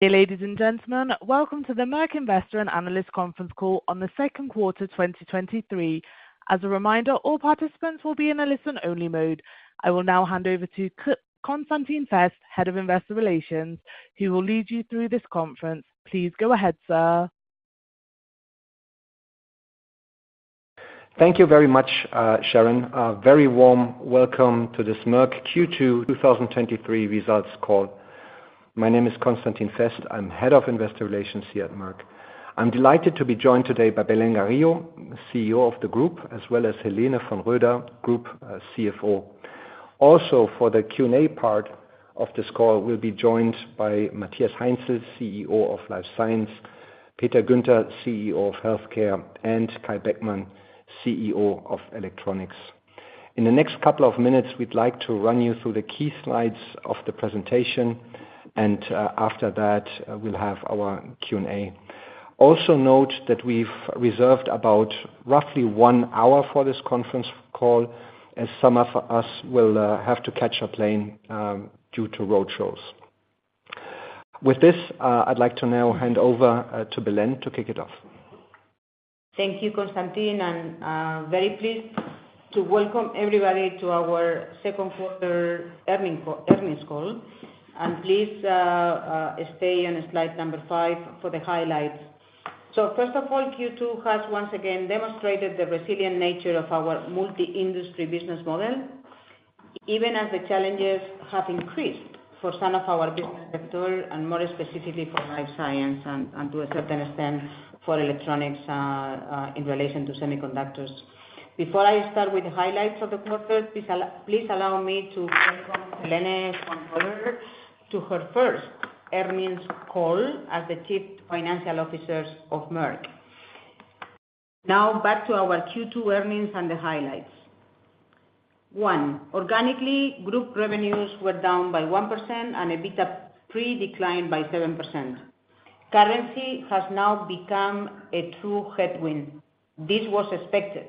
Ladies and gentlemen, welcome to the Merck Investor and Analyst Conference Call on the second quarter, 2023. As a reminder, all participants will be in a listen-only mode. I will now hand over to Konstantin Fest, Head of Investor Relations. He will lead you through this conference. Please go ahead, sir. Thank you very much, Sharon. A very warm welcome to this Merck Q2 2023 results call. My name is Konstantin Fest. I'm Head of Investor Relations here at Merck. I'm delighted to be joined today by Belén Garijo, CEO of the Group, as well as Helene von Roeder, Group CFO. Also, for the Q&A part of this call, we'll be joined by Matthias Heinzel, CEO of Life Science, Peter Guenter, CEO of Healthcare, and Kai Beckmann, CEO of Electronics. In the next couple of minutes, we'd like to run you through the key slides of the presentation, and after that, we'll have our Q&A. Also note that we've reserved about roughly one hour for this conference call, as some of us will have to catch a plane due to road shows. With this, I'd like to now hand over to Belén to kick it off. Thank you, Konstantin. Very pleased to welcome everybody to our second quarter earnings call. Please stay on slide number five for the highlights. First of all, Q2 has once again demonstrated the resilient nature of our multi-industry business model, even as the challenges have increased for some of our business sector, and more specifically for Life Science and to a certain extent, for Electronics in relation to semiconductors. Before I start with the highlights of the quarter, please allow me to welcome Helene von Roeder to her first earnings call as the Chief Financial Officer of Merck. Back to our Q2 earnings and the highlights. One, organically, group revenues were down by 1%, and EBITDA pre declined by 7%. Currency has now become a true headwind. This was expected,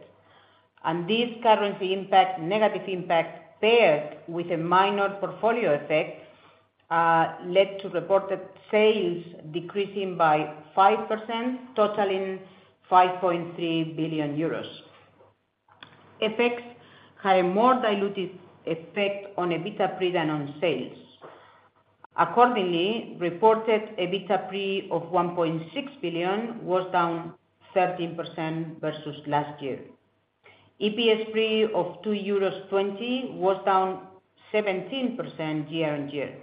and this currency impact, negative impact, paired with a minor portfolio effect, led to reported sales decreasing by 5%, totaling 5.3 billion euros. FX had a more dilutive effect on EBITDA pre than on sales. Accordingly, reported EBITDA pre of 1.6 billion was down 13% versus last year. EPS pre of 2.20 euros was down 17% year-on-year.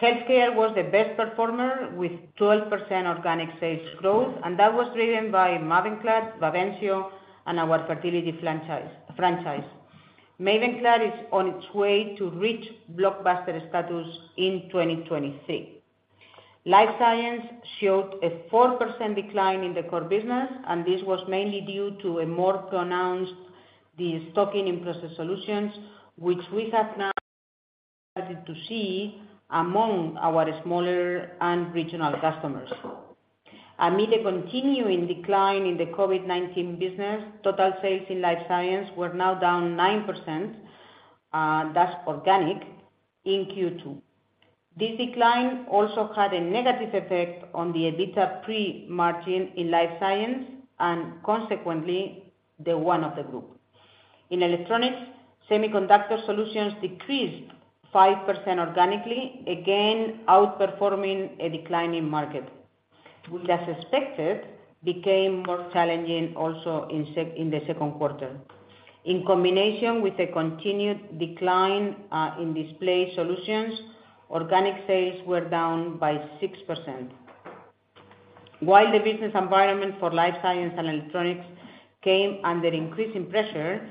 Healthcare was the best performer, with 12% organic sales growth, and that was driven by MAVENCLAD, Bavencio, and our fertility franchise. MAVENCLAD is on its way to reach blockbuster status in 2023. Life Science showed a 4% decline in the core business, and this was mainly due to a more pronounced destocking in Process Solutions, which we have now started to see among our smaller and regional customers. Amid a continuing decline in the COVID-19 business, total sales in Life Science were now down 9%, that's organic, in Q2. This decline also had a negative effect on the EBITDA pre-margin in Life Science and consequently, the one of the group. In Electronics, Semiconductor Solutions decreased 5% organically, again, outperforming a declining market, which, as expected, became more challenging also in the second quarter. In combination with a continued decline in Display Solutions, organic sales were down by 6%. While the business environment for Life Science and Electronics came under increasing pressure,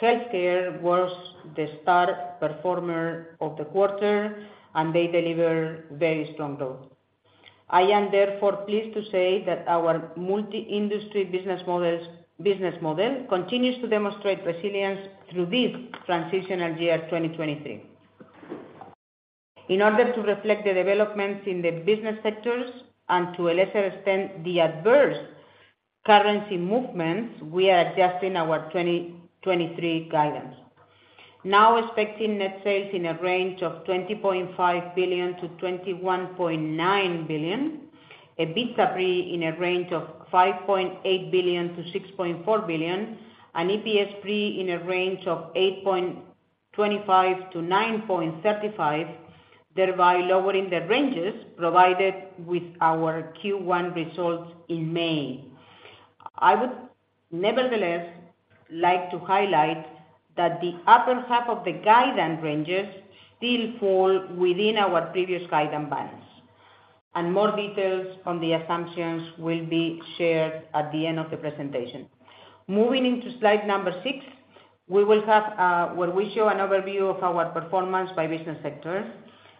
Healthcare was the star performer of the quarter, and they delivered very strong growth. I am therefore pleased to say that our multi-industry business models, business model continues to demonstrate resilience through this transitional year, 2023. In order to reflect the developments in the business sectors, and to a lesser extent, the adverse currency movements, we are adjusting our 2023 guidance. Now expecting net sales in a range of 20.5 billion-21.9 billion, EBITDA pre in a range of 5.8 billion-6.4 billion, and EPS pre in a range of 8.25-9.35, thereby lowering the ranges provided with our Q1 results in May. I would, nevertheless, like to highlight that the upper half of the guidance ranges still fall within our previous guidance bands, and more details on the assumptions will be shared at the end of the presentation. Moving into slide number six, we will have where we show an overview of our performance by business sectors.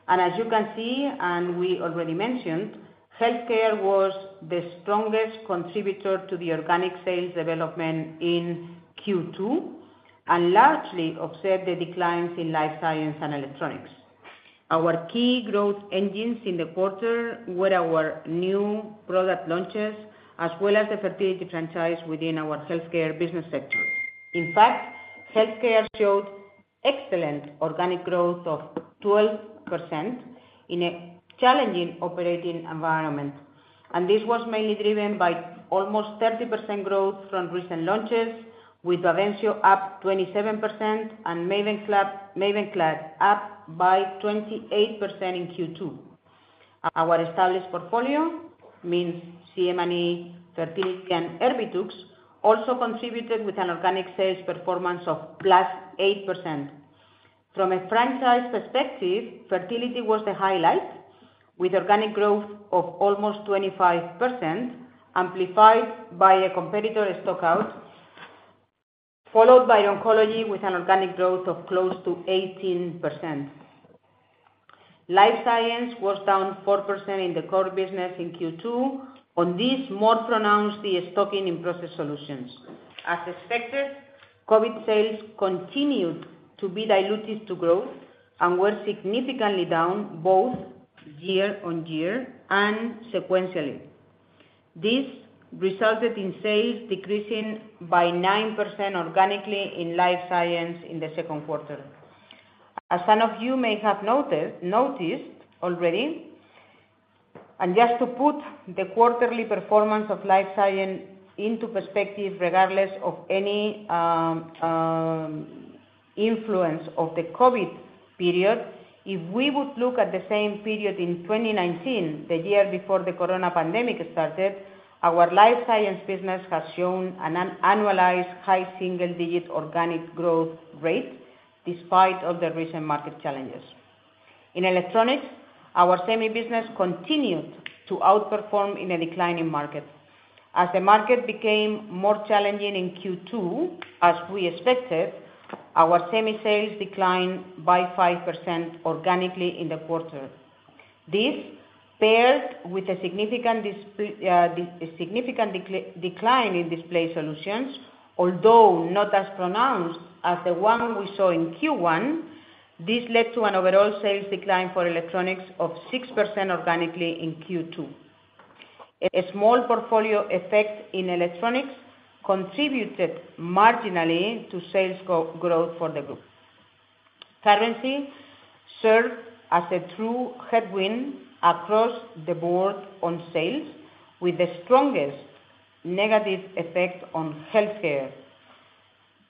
As you can see, and we already mentioned, Healthcare was the strongest contributor to the organic sales development in Q2, and largely offset the declines in Life Science and Electronics. Our key growth engines in the quarter were our new product launches, as well as the Fertility franchise within our Healthcare business sector. In fact, Healthcare showed excellent organic growth of 12% in a challenging operating environment. This was mainly driven by almost 30% growth from recent launches, with Bavencio up 27% and MAVENCLAD, MAVENCLAD up by 28% in Q2. Our established portfolio, means CNS, Fertility, and ERBITUX, also contributed with an organic sales performance of +8%. From a franchise perspective, Fertility was the highlight, with organic growth of almost 25%, amplified by a competitor stock out, followed by Oncology, with an organic growth of close to 18%. Life Science was down 4% in the core business in Q2. On this, more pronounced, the stocking in Process Solutions. As expected, COVID sales continued to be dilutive to growth and were significantly down both year-on-year and sequentially. This resulted in sales decreasing by 9% organically in Life Science in the second quarter. As some of you may have noted, noticed already, and just to put the quarterly performance of Life Science into perspective, regardless of any influence of the COVID period, if we would look at the same period in 2019, the year before the corona pandemic started, our Life Science business has shown an annualized high single-digit organic growth rate, despite of the recent market challenges. In Electronics, our semi business continued to outperform in a declining market. As the market became more challenging in Q2, as we expected, our semi sales declined by 5% organically in the quarter. This, paired with a significant decline in Display Solutions, although not as pronounced as the one we saw in Q1, this led to an overall sales decline for Electronics of 6% organically in Q2. A small portfolio effect in Electronics contributed marginally to sales growth for the group. Currency served as a true headwind across the board on sales, with the strongest negative effect on Healthcare.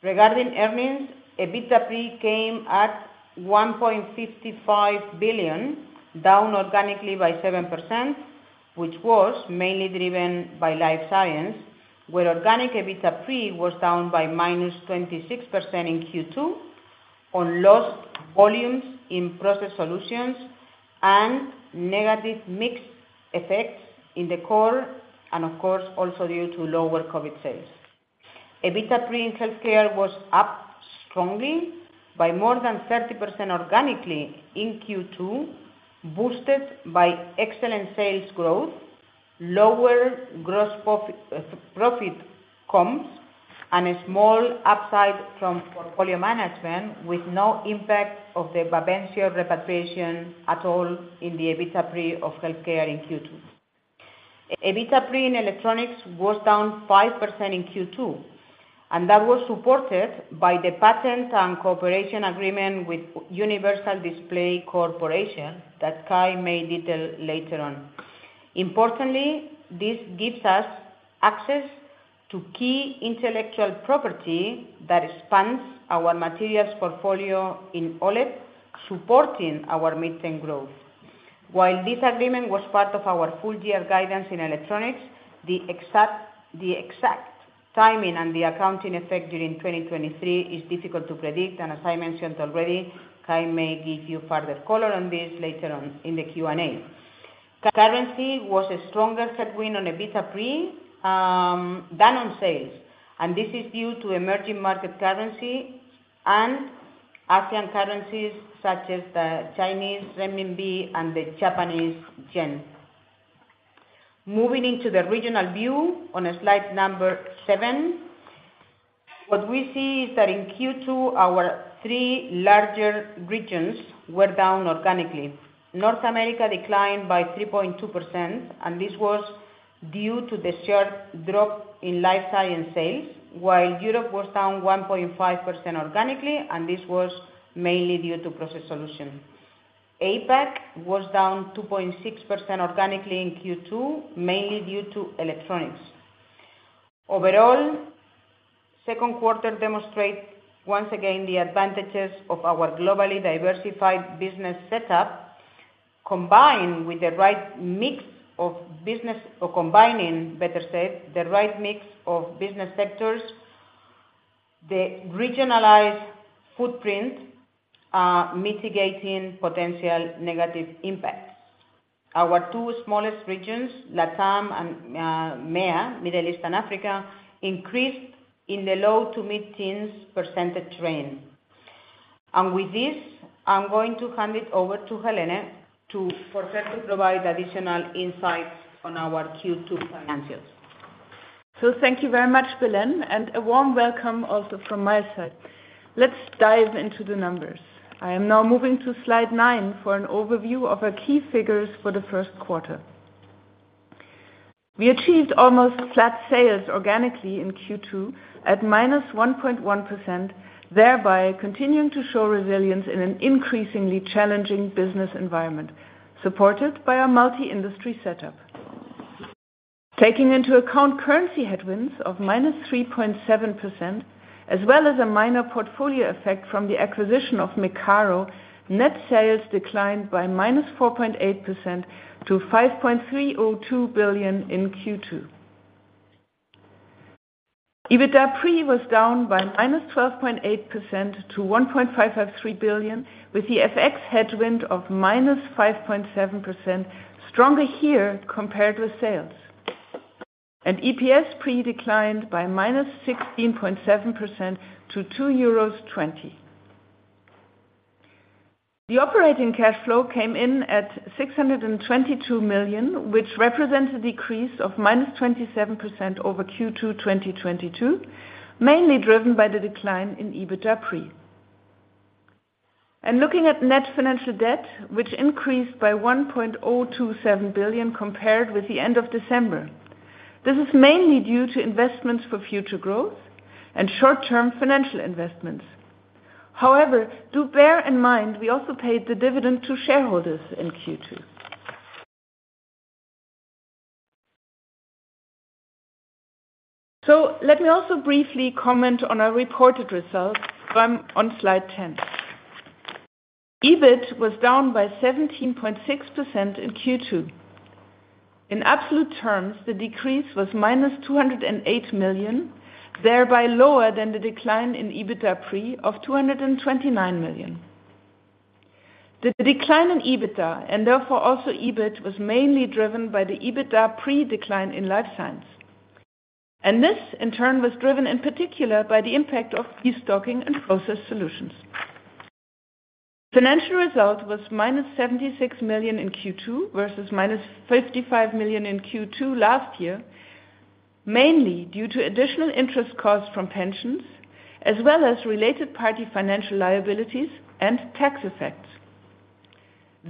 Regarding earnings, EBITDA pre came at $1.55 billion, down organically by 7%, which was mainly driven by Life Science, where organic EBITDA pre was down by -26% in Q2, on lost volumes in Process Solutions and negative mix effects in the core, and of course, also due to lower COVID sales. EBITDA pre in Healthcare was up strongly by more than 30% organically in Q2, boosted by excellent sales growth, lower gross profit comps, and a small upside from portfolio management, with no impact of the Bavencio repatriation at all in the EBITDA pre of Healthcare in Q2. EBITDA pre in Electronics was down 5% in Q2, and that was supported by the patent and cooperation agreement with Universal Display Corporation that Kai may detail later on. Importantly, this gives us access to key intellectual property that expands our materials portfolio in OLED, supporting our midterm growth. While this agreement was part of our full year guidance in Electronics, the exact timing and the accounting effect during 2023 is difficult to predict. As I mentioned already, Kai may give you further color on this later on in the Q&A. Currency was a stronger headwind on EBITDA pre than on sales. This is due to emerging market currency and Asian currencies, such as the Chinese renminbi and the Japanese yen. Moving into the regional view, on slide seven, what we see is that in Q2, our three larger regions were down organically. North America declined by 3.2%, and this was due to the sharp drop in Life Science sales, while Europe was down 1.5% organically, and this was mainly due to Process Solutions. APAC was down 2.6% organically in Q2, mainly due to Electronics. Overall, second quarter demonstrate once again the advantages of our globally diversified business setup, combined with the right mix of business, or combining, better said, the right mix of business sectors, the regionalized footprint, mitigating potential negative impacts. Our two smallest regions, LATAM and MEA, Middle East and Africa, increased in the low to mid-teens % range. With this, I'm going to hand it over to Helene to, for her to provide additional insights on our Q2 financials. Thank you very much, Belén, and a warm welcome also from my side. Let's dive into the numbers. I am now moving to slide nine for an overview of our key figures for the first quarter. We achieved almost flat sales organically in Q2 at -1.1%, thereby continuing to show resilience in an increasingly challenging business environment, supported by our multi-industry setup. Taking into account currency headwinds of -3.7%, as well as a minor portfolio effect from the acquisition of Mecaro, net sales declined by -4.8% to 5.302 billion in Q2. EBITDA pre was down by -12.8% to 1.553 billion, with the FX headwind of -5.7% stronger here compared with sales. EPS pre declined by -16.7% to 2.20 euros. The operating cash flow came in at 622 million, which represents a decrease of -27% over Q2 2022, mainly driven by the decline in EBITDA pre. Looking at net financial debt, which increased by 1.027 billion compared with the end of December, this is mainly due to investments for future growth and short-term financial investments. However, do bear in mind, we also paid the dividend to shareholders in Q2. Let me also briefly comment on our reported results from on slide 10. EBIT was down by 17.6% in Q2. In absolute terms, the decrease was -208 million, thereby lower than the decline in EBITDA pre of 229 million. The decline in EBITDA, and therefore also EBIT, was mainly driven by the EBITDA pre decline in Life Science. This, in turn, was driven in particular by the impact of destocking and Process Solutions. Financial result was minus 76 million in Q2 versus minus 55 million in Q2 last year, mainly due to additional interest costs from pensions, as well as related party financial liabilities and tax effects.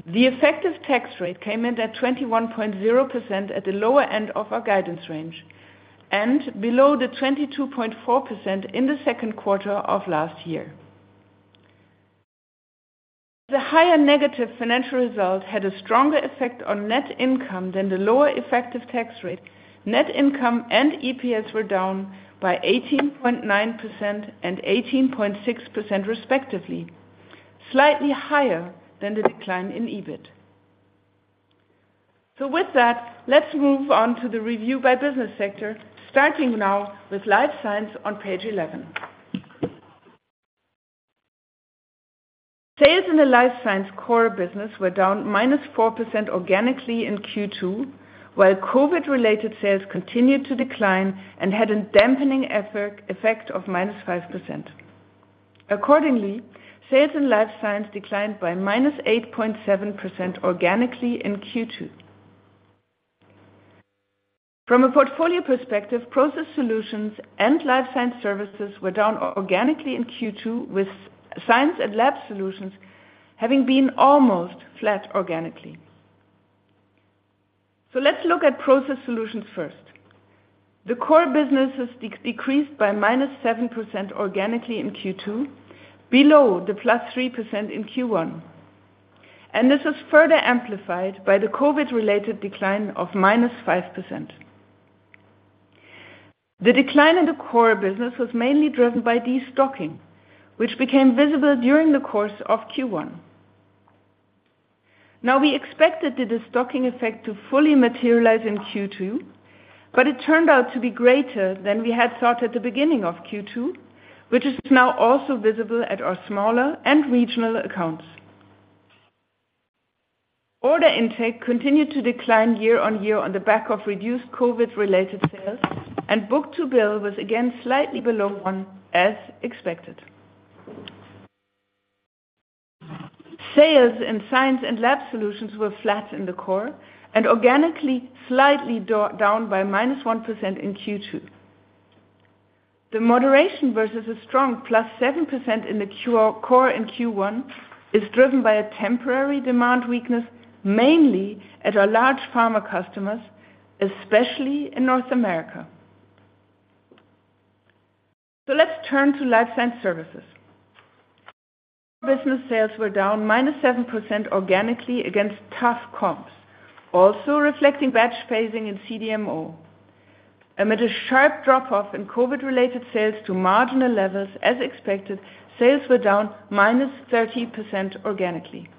The effective tax rate came in at 21.0% at the lower end of our guidance range and below the 22.4% in the second quarter of last year. The higher negative financial result had a stronger effect on net income than the lower effective tax rate. Net income and EPS were down by 18.9% and 18.6%, respectively, slightly higher than the decline in EBIT. With that, let's move on to the review by business sector, starting now with Life Science on page 11. Sales in the Life Science core business were down -4% organically in Q2, while COVID-related sales continued to decline and had a dampening effect of -5%. Accordingly, sales in Life Science declined by -8.7% organically in Q2. From a portfolio perspective, Process Solutions and Life Science Services were down organically in Q2, with Science and Lab Solutions having been almost flat organically. Let's look at Process Solutions first. The core business has decreased by -7% organically in Q2, below the +3% in Q1. This is further amplified by the COVID-related decline of -5%. The decline in the core business was mainly driven by destocking, which became visible during the course of Q1. We expected the destocking effect to fully materialize in Q2, but it turned out to be greater than we had thought at the beginning of Q2, which is now also visible at our smaller and regional accounts. Order intake continued to decline year on year on the back of reduced COVID-related sales, and book-to-bill was again slightly below one, as expected. Sales and Science and Lab Solutions were flat in the core and organically slightly down by -1% in Q2. The moderation versus a strong +7% in the core in Q1 is driven by a temporary demand weakness, mainly at our large pharma customers, especially in North America. Let's turn to Life Science Services. Business sales were down -7% organically against tough comps, also reflecting batch phasing in CDMO. Amid a sharp drop-off in COVID-related sales to marginal levels, as expected, sales were down -30% organically.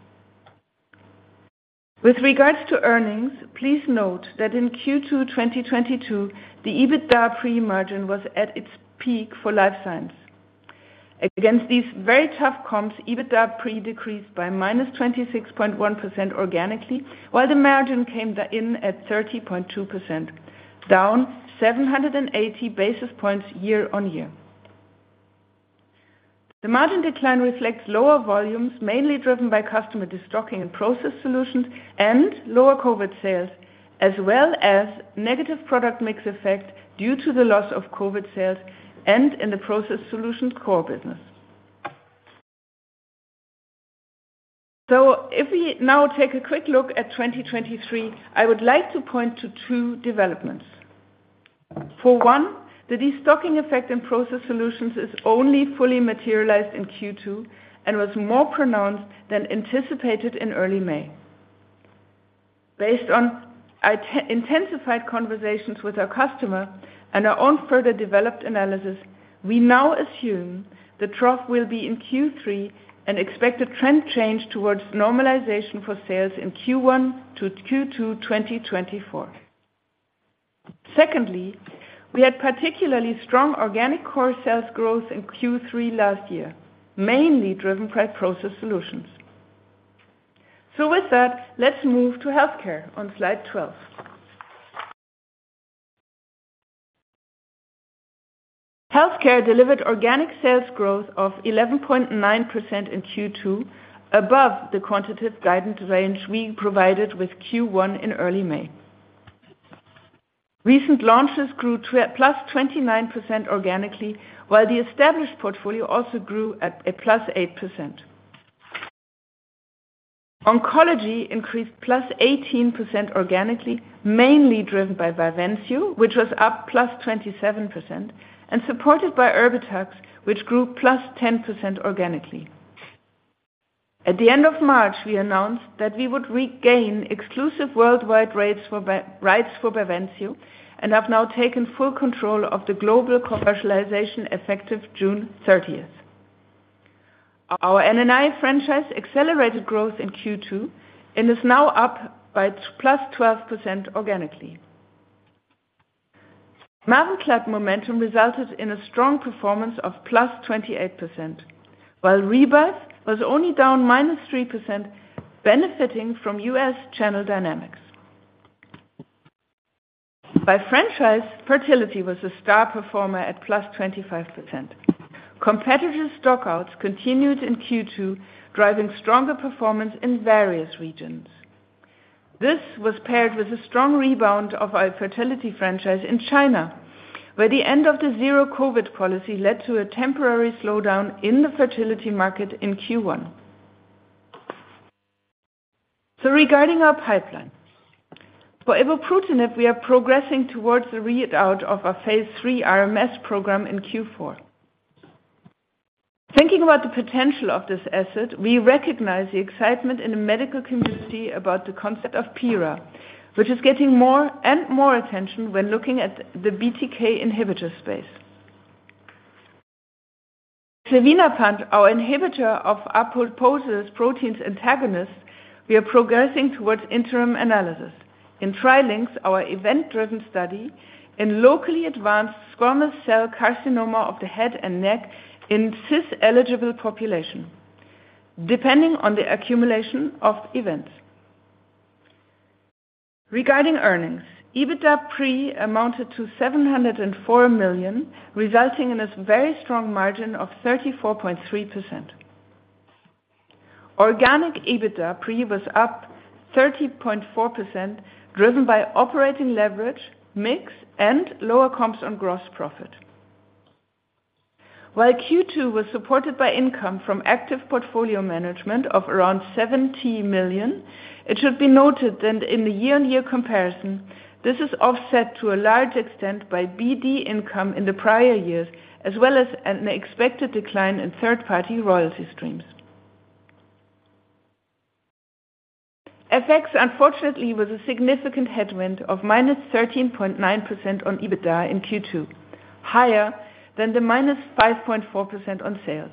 With regards to earnings, please note that in Q2 2022, the EBITDA pre-margin was at its peak for Life Science. Against these very tough comps, EBITDA pre-decreased by -26.1% organically, while the margin came in at 30.2%, down 780 basis points year-on-year. The margin decline reflects lower volumes, mainly driven by customer destocking and Process Solutions and lower COVID sales, as well as negative product mix effect due to the loss of COVID sales and in the Process Solutions core business. If we now take a quick look at 2023, I would like to point to two developments. For one, the destocking effect in Process Solutions is only fully materialized in Q2, and was more pronounced than anticipated in early May. Based on our intensified conversations with our customer and our own further developed analysis, we now assume the trough will be in Q3 and expect a trend change towards normalization for sales in Q1 to Q2 2024. Secondly, we had particularly strong organic core sales growth in Q3 last year, mainly driven by Process Solutions. With that, let's move to Healthcare on slide 12. Healthcare delivered organic sales growth of 11.9% in Q2, above the quantitative guidance range we provided with Q1 in early May. Recent launches grew +29% organically, while the established portfolio also grew at a +8%. Oncology increased +18% organically, mainly driven by Bavencio, which was up +27%, supported by ERBITUX, which grew +10% organically. At the end of March, we announced that we would regain exclusive worldwide rights for Bavencio, have now taken full control of the global commercialization, effective June 30th. Our NNI franchise accelerated growth in Q2, is now up by +12% organically. MAVENCLAD momentum resulted in a strong performance of +28%, while Rebif was only down -3%, benefiting from U.S. channel dynamics. By franchise, fertility was a star performer at +25%. Competitive stock-outs continued in Q2, driving stronger performance in various regions. This was paired with a strong rebound of our fertility franchise in China, where the end of the zero COVID policy led to a temporary slowdown in the fertility market in Q1. Regarding our pipeline, for Evobrutinib, we are progressing towards the readout of our phase III RMS program in Q4. Thinking about the potential of this asset, we recognize the excitement in the medical community about the concept of PIRA, which is getting more and more attention when looking at the BTK inhibitor space. Xevinapant, our Inhibitor of Apoptosis Proteins antagonist, we are progressing towards interim analysis. In Trilynx, our event-driven study in locally advanced squamous cell carcinoma of the head and neck in cisplatin-eligible population, depending on the accumulation of events. Regarding earnings, EBITDA pre amounted to 704 million, resulting in a very strong margin of 34.3%. Organic EBITDA pre was up 30.4%, driven by operating leverage, mix, and lower comps on gross profit. While Q2 was supported by income from active portfolio management of around 70 million, it should be noted that in the year-on-year comparison, this is offset to a large extent by BD income in the prior years, as well as an expected decline in third-party royalty streams. FX, unfortunately, was a significant headwind of -13.9% on EBITDA in Q2, higher than the -5.4% on sales.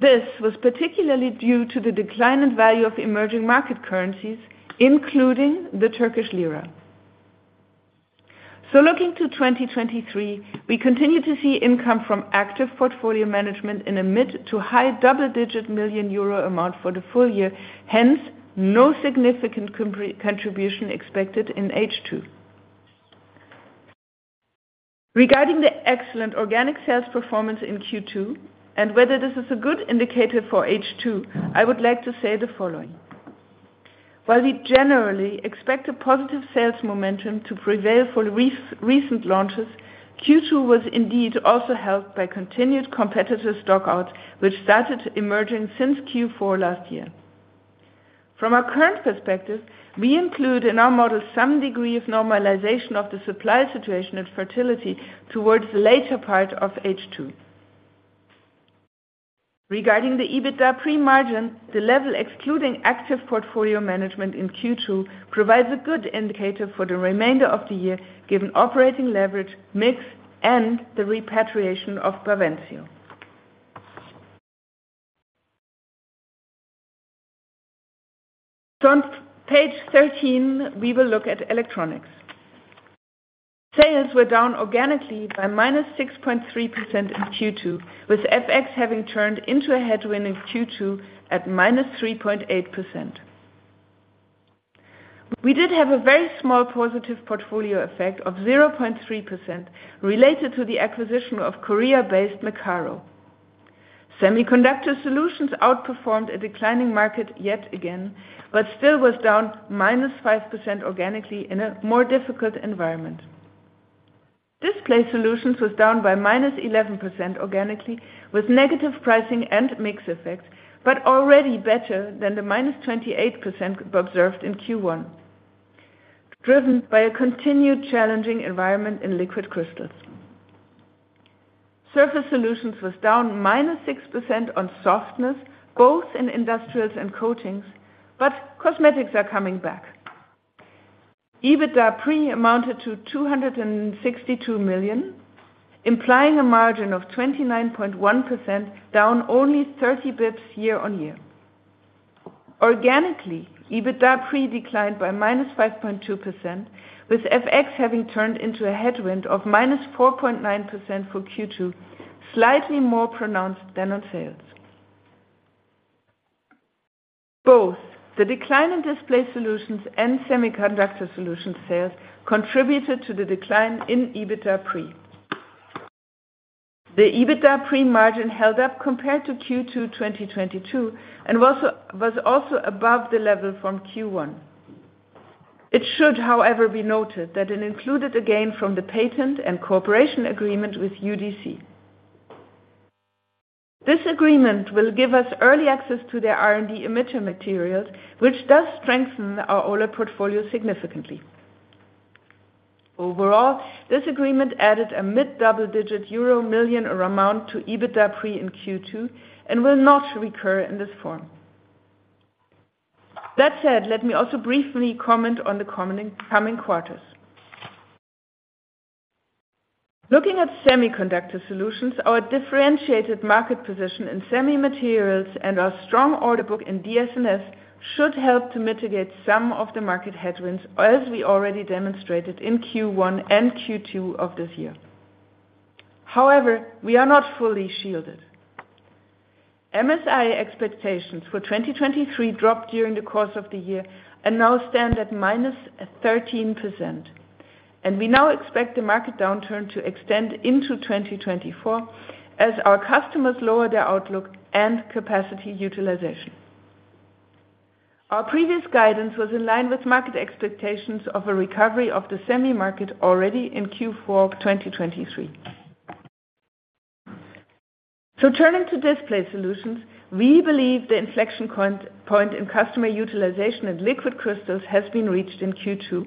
This was particularly due to the decline in value of emerging market currencies, including the Turkish lira. Looking to 2023, we continue to see income from active portfolio management in a mid to high double-digit million euro amount for the full year. Hence, no significant contribution expected in H2. Regarding the excellent organic sales performance in Q2, and whether this is a good indicator for H2, I would like to say the following: While we generally expect a positive sales momentum to prevail for recent launches, Q2 was indeed also helped by continued competitive stock-out, which started emerging since Q4 last year. From our current perspective, we include in our model some degree of normalization of the supply situation and fertility towards the later part of H2. Regarding the EBITDA pre-margin, the level excluding active portfolio management in Q2 provides a good indicator for the remainder of the year, given operating leverage, mix, and the repatriation of Bavencio. On page 13, we will look at Electronics. Sales were down organically by -6.3% in Q2, with FX having turned into a headwind in Q2 at -3.8%. We did have a very small positive portfolio effect of 0.3% related to the acquisition of Korea-based Mecaro. Semiconductor Solutions outperformed a declining market yet again, but still was down -5% organically in a more difficult environment. Display Solutions was down by -11% organically, with negative pricing and mix effects, but already better than the -28% observed in Q1, driven by a continued challenging environment in liquid crystals. Surface Solutions was down -6% on softness, both in industrials and coatings, but cosmetics are coming back. EBITDA pre amounted to 262 million, implying a margin of 29.1%, down only 30 basis points year on year. Organically, EBITDA pre declined by -5.2%, with FX having turned into a headwind of -4.9% for Q2, slightly more pronounced than on sales. Both the decline in Display Solutions and Semiconductor Solutions sales contributed to the decline in EBITDA pre. The EBITDA pre margin held up compared to Q2 2022 and was also above the level from Q1. It should, however, be noted that it included a gain from the patent and cooperation agreement with UDC. This agreement will give us early access to their R&D emitter materials, which does strengthen our OLED portfolio significantly. Overall, this agreement added a EUR mid-double-digit million amount to EBITDA pre in Q2 and will not recur in this form. That said, let me also briefly comment on the coming quarters. Looking at Semiconductor Solutions, our differentiated market position in semi materials and our strong order book in DSMS should help to mitigate some of the market headwinds, as we already demonstrated in Q1 and Q2 of this year. However, we are not fully shielded. MSI expectations for 2023 dropped during the course of the year and now stand at -13%. We now expect the market downturn to extend into 2024 as our customers lower their outlook and capacity utilization. Our previous guidance was in line with market expectations of a recovery of the semi market already in Q4 of 2023. Turning to Display Solutions, we believe the inflection point, point in customer utilization and liquid crystals has been reached in Q2,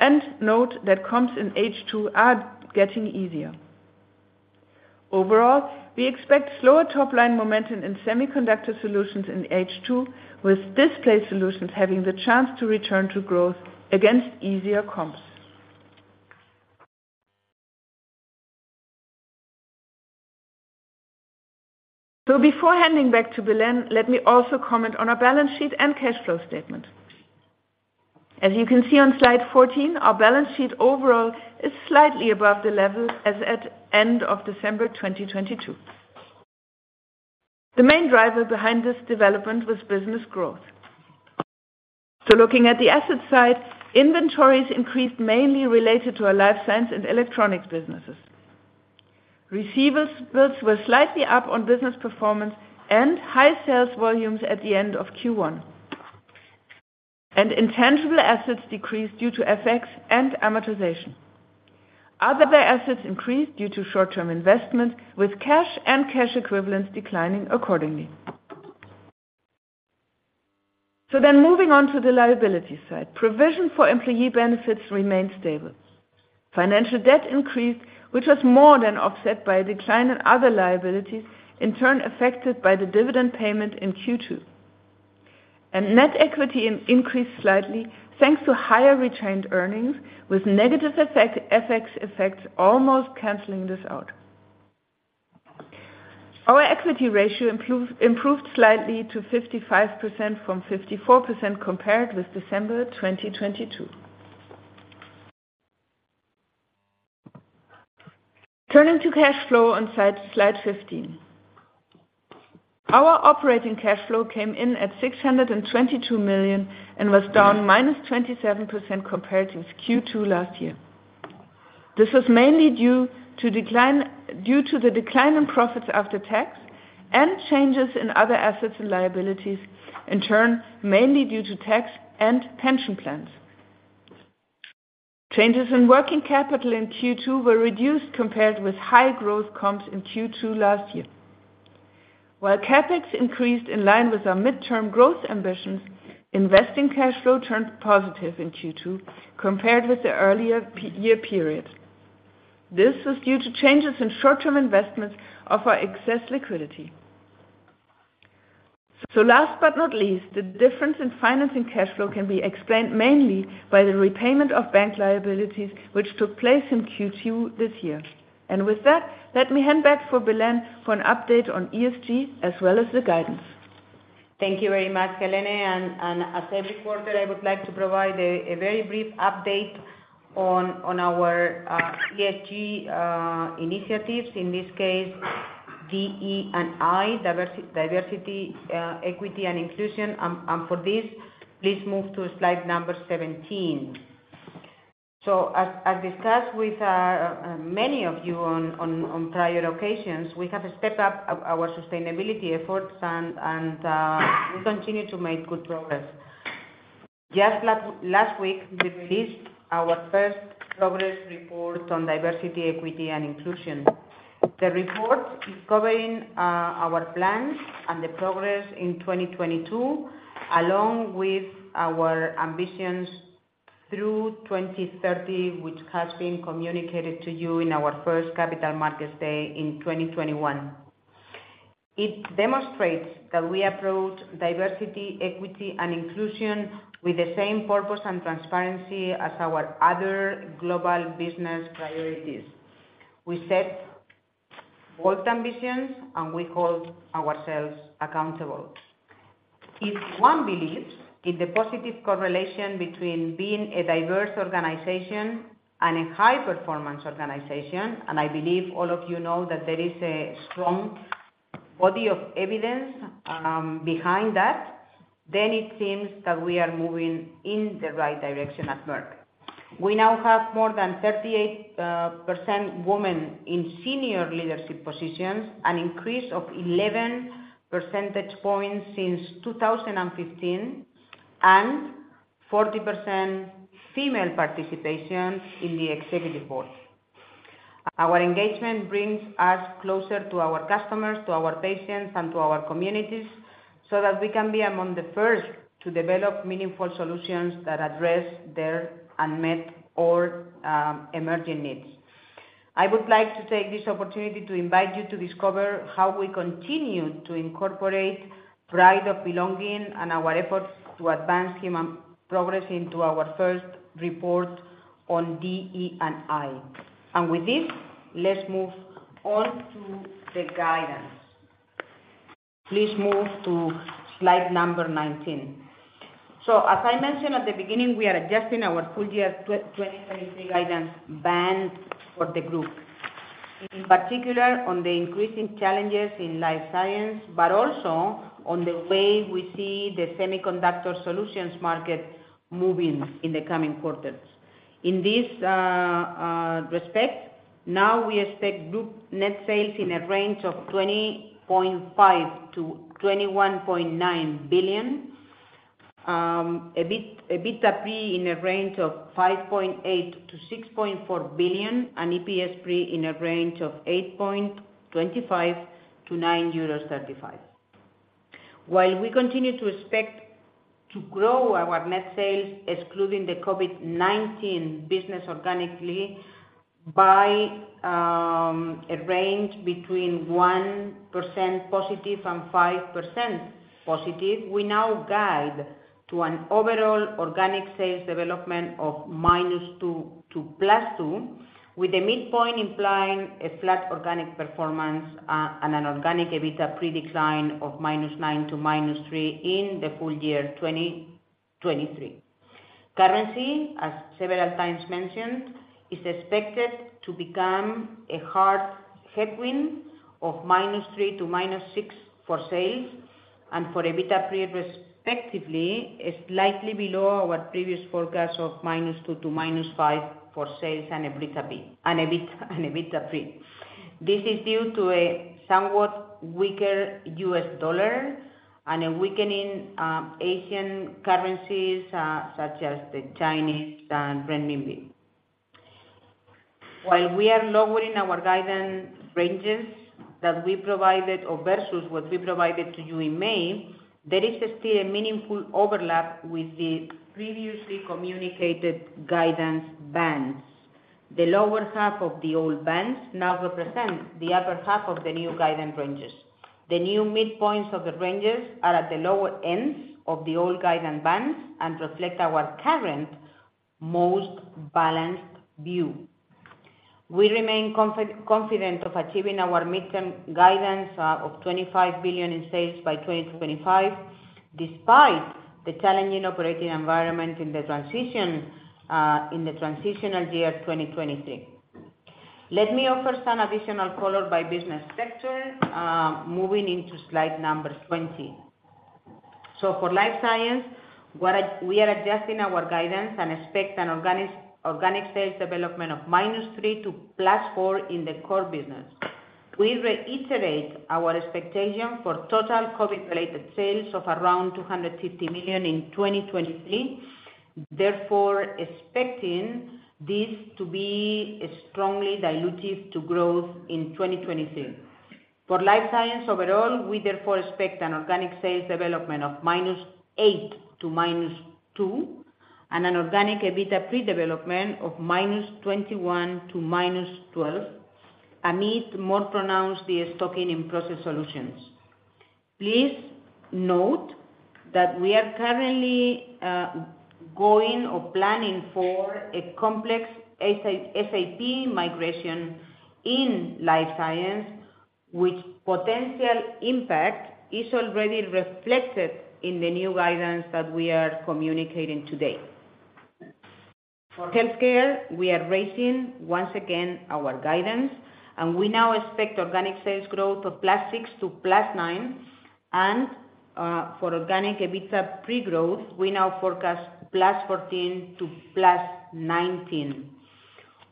and note that comps in H2 are getting easier. Overall, we expect slower top line momentum in Semiconductor Solutions in H2, with Display Solutions having the chance to return to growth against easier comps. Before handing back to Belén, let me also comment on our balance sheet and cash flow statement. As you can see on slide 14, our balance sheet overall is slightly above the level as at end of December 2022. The main driver behind this development was business growth. Looking at the asset side, inventories increased mainly related to our Life Science and Electronics businesses. Receivables were slightly up on business performance and high sales volumes at the end of Q1. Intangible assets decreased due to FX and amortization. Other buy assets increased due to short-term investment, with cash and cash equivalents declining accordingly. Moving on to the liability side. Provision for employee benefits remained stable. Financial debt increased, which was more than offset by a decline in other liabilities, in turn affected by the dividend payment in Q2. Net equity increased slightly, thanks to higher retained earnings, with negative FX effects almost canceling this out. Our equity ratio improved slightly to 55% from 54% compared with December 2022. Turning to cash flow on slide 15. Our operating cash flow came in at 622 million and was down -27% compared to Q2 last year. This was mainly due to the decline in profits after tax and changes in other assets and liabilities, in turn, mainly due to tax and pension plans. Changes in working capital in Q2 were reduced compared with high growth comps in Q2 last year. While CapEx increased in line with our midterm growth ambitions, investing cash flow turned positive in Q2 compared with the earlier year period. This was due to changes in short-term investments of our excess liquidity. Last but not least, the difference in financing cash flow can be explained mainly by the repayment of bank liabilities, which took place in Q2 this year. With that, let me hand back for Belén for an update on ESG as well as the guidance. Thank you very much, Helene. As every quarter, I would like to provide a very brief update on our ESG initiatives, in this case, DE&I, diversity, equity and inclusion. For this, please move to slide number 17. As discussed with many of you on prior occasions, we have stepped up our sustainability efforts, and we continue to make good progress. Just last week, we released our first progress report on diversity, equity, and inclusion. The report is covering our plans and the progress in 2022, along with our ambitions through 2030, which has been communicated to you in our first Capital Markets Day in 2021. It demonstrates that we approach diversity, equity, and inclusion with the same purpose and transparency as our other global business priorities. We set bold ambitions, and we hold ourselves accountable. If one believes in the positive correlation between being a diverse organization and a high-performance organization, and I believe all of you know that there is a strong body of evidence behind that, then it seems that we are moving in the right direction at Merck. We now have more than 38% women in senior leadership positions, an increase of 11 percentage points since 2015, and 40% female participation in the executive board. Our engagement brings us closer to our customers, to our patients, and to our communities, so that we can be among the first to develop meaningful solutions that address their unmet or emerging needs. I would like to take this opportunity to invite you to discover how we continue to incorporate pride of belonging and our efforts to advance human progress into our first report on DE&I. With this, let's move on to the guidance. Please move to slide number 19. As I mentioned at the beginning, we are adjusting our full year 2023 guidance band for the group, in particular, on the increasing challenges in Life Science, but also on the way we see the Semiconductor Solutions market moving in the coming quarters. In this respect, now we expect group net sales in a range of 20.5 billion-21.9 billion, EBIT, EBITDA pre in a range of 5.8 billion-6.4 billion, and EPS pre in a range of 8.25-9.35 euros. While we continue to expect to grow our net sales, excluding the COVID-19 business organically, by a range between 1% positive and 5% positive, we now guide to an overall organic sales development of -2% to +2%, with the midpoint implying a flat organic performance, and an organic EBITDA pre decline of -9% to -3% in the full year 2023. Currency, as several times mentioned, is expected to become a hard headwind of -3% to -6% for sales, and for EBITDA pre respectively, is slightly below our previous forecast of -2% to -5% for sales and EBITDA pre. This is due to a somewhat weaker US dollar and a weakening Asian currencies, such as the Chinese renminbi. While we are lowering our guidance ranges that we provided or versus what we provided to you in May, there is still a meaningful overlap with the previously communicated guidance bands. The lower half of the old bands now represent the upper half of the new guidance ranges. The new midpoints of the ranges are at the lower ends of the old guidance bands and reflect our current most balanced view. We remain confident of achieving our midterm guidance of 25 billion in sales by 2025, despite the challenging operating environment in the transition in the transitional year 2023. Let me offer some additional color by business sector, moving into slide number 20. For Life Science, what we are adjusting our guidance and expect an organic, organic sales development of -3% to +4% in the core business. We reiterate our expectation for total COVID-related sales of around 250 million in 2023, therefore expecting this to be strongly dilutive to growth in 2023. For Life Science overall, we therefore expect an organic sales development of -8% to -2%, and an organic EBITDA pre development of -21% to -12%, amid more pronounced destocking in Process Solutions. Please note that we are currently going or planning for a complex SAP migration in Life Science, which potential impact is already reflected in the new guidance that we are communicating today. For Healthcare, we are raising, once again, our guidance, and we now expect organic sales growth of +6% to +9%. For organic EBITDA pre-growth, we now forecast +14% to +19%.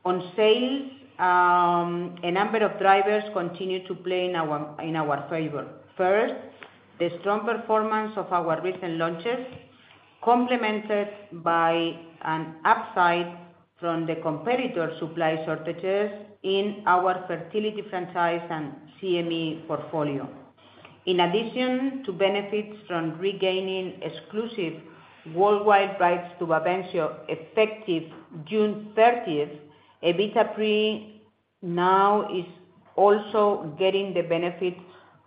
On sales, a number of drivers continue to play in our, in our favor. First, the strong performance of our recent launches, complemented by an upside from the competitor supply shortages in our fertility franchise and CM&E portfolio. In addition to benefits from regaining exclusive worldwide rights to Bavencio, effective June 30th, EBITDA pre now is also getting the benefit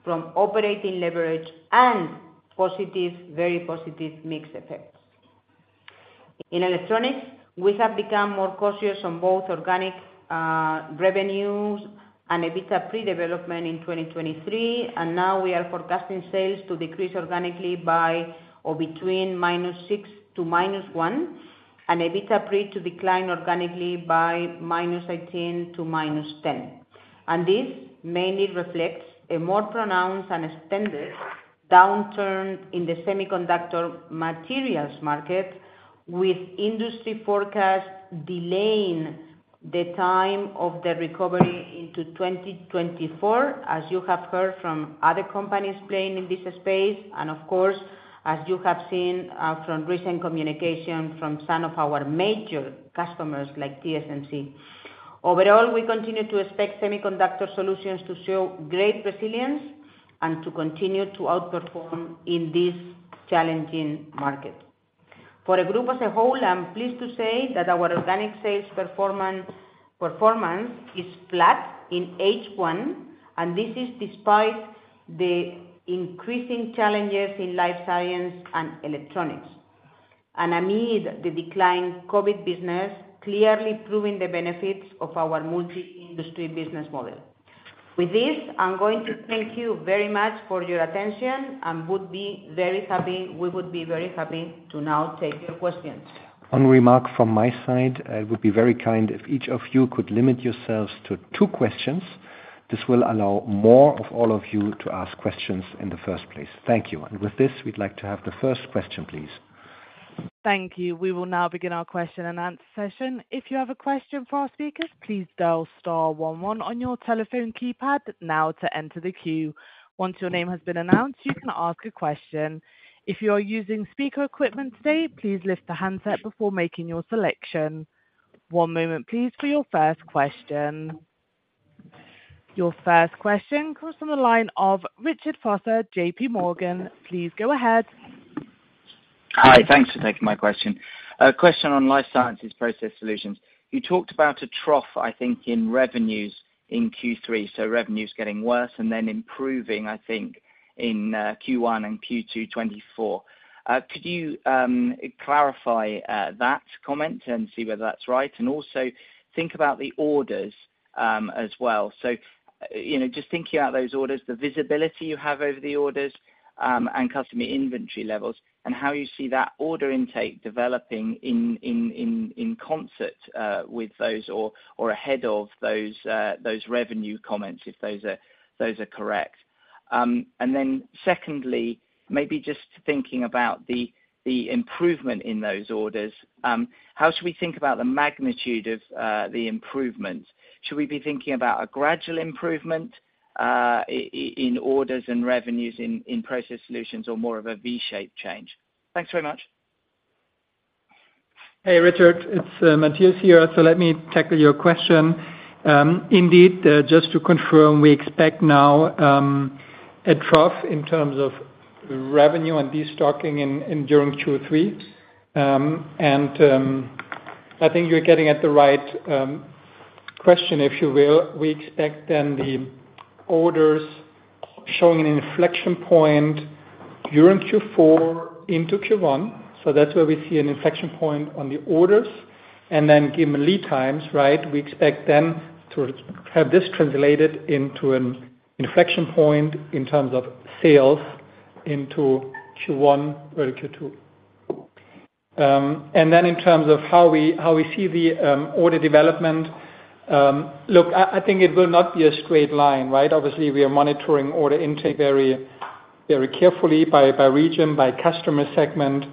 from operating leverage and positive, very positive mix effects. In Electronics, we have become more cautious on both organic revenues and EBITDA pre-development in 2023. Now we are forecasting sales to decrease organically by or between -6% to -1%, and EBITDA pre to decline organically by -18% to -10%. This mainly reflects a more pronounced and extended downturn in the Semiconductor materials market, with industry forecasts delaying the time of the recovery into 2024, as you have heard from other companies playing in this space. Of course, as you have seen from recent communication from some of our major customers, like TSMC. Overall, we continue to expect Semiconductor Solutions to show great resilience and to continue to outperform in this challenging market. For a group as a whole, I'm pleased to say that our organic sales performance, performance is flat in H1. This is despite the increasing challenges in Life Science and Electronics, and amid the decline COVID business, clearly proving the benefits of our multi-industry business model. With this, I'm going to thank you very much for your attention and we would be very happy to now take your questions. One remark from my side. It would be very kind if each of you could limit yourselves to two questions. This will allow more of all of you to ask questions in the first place. Thank you. With this, we'd like to have the first question, please. Thank you. We will now begin our question and answer session. If you have a question for our speakers, please dial star one one on your telephone keypad now to enter the queue. Once your name has been announced, you can ask a question. If you are using speaker equipment today, please lift the handset before making your selection. One moment, please, for your first question. Your first question comes from the line of Richard Foster, JPMorgan. Please go ahead. Hi. Thanks for taking my question. A question on Life Science Process Solutions. You talked about a trough, I think, in revenues in Q3, so revenues getting worse and then improving, I think, in Q1 and Q2 2024. Could you clarify that comment and see whether that's right? Also think about the orders as well. You know, just thinking about those orders, the visibility you have over the orders and customer inventory levels, and how you see that order intake developing in concert with those or, or ahead of those revenue comments, if those are, those are correct. Secondly, maybe just thinking about the, the improvement in those orders, how should we think about the magnitude of the improvement? Should we be thinking about a gradual improvement in orders and revenues in Process Solutions, or more of a V-shaped change? Thanks very much. Hey, Richard, it's Matthias here. Let me tackle your question. Indeed, just to confirm, we expect now a trough in terms of revenue and destocking during Q3. I think you're getting at the right question, if you will. We expect then the orders showing an inflection point during Q4 into Q1, so that's where we see an inflection point on the orders. Given lead times, right, we expect then to have this translated into an inflection point in terms of sales into Q1 or Q2. In terms of how we, how we see the order development, look, I think it will not be a straight line, right? Obviously, we are monitoring order intake very, very carefully by region, by customer segment.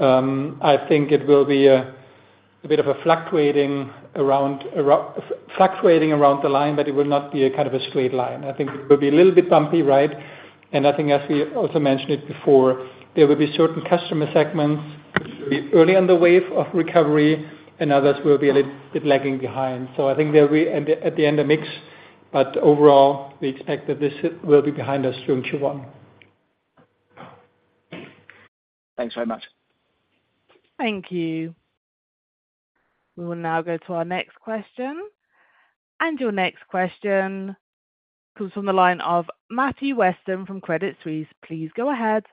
I think it will be Fluctuating around the line, but it will not be a kind of a straight line. I think it will be a little bit bumpy, right? I think as we also mentioned it before, there will be certain customer segments early on the wave of recovery, and others will be a little bit lagging behind. I think there will be, at the end, a mix, but overall, we expect that this will be behind us during Q1. Thanks very much. Thank you. We will now go to our next question. Your next question comes from the line of Matthew Weston from Credit Suisse. Please go ahead.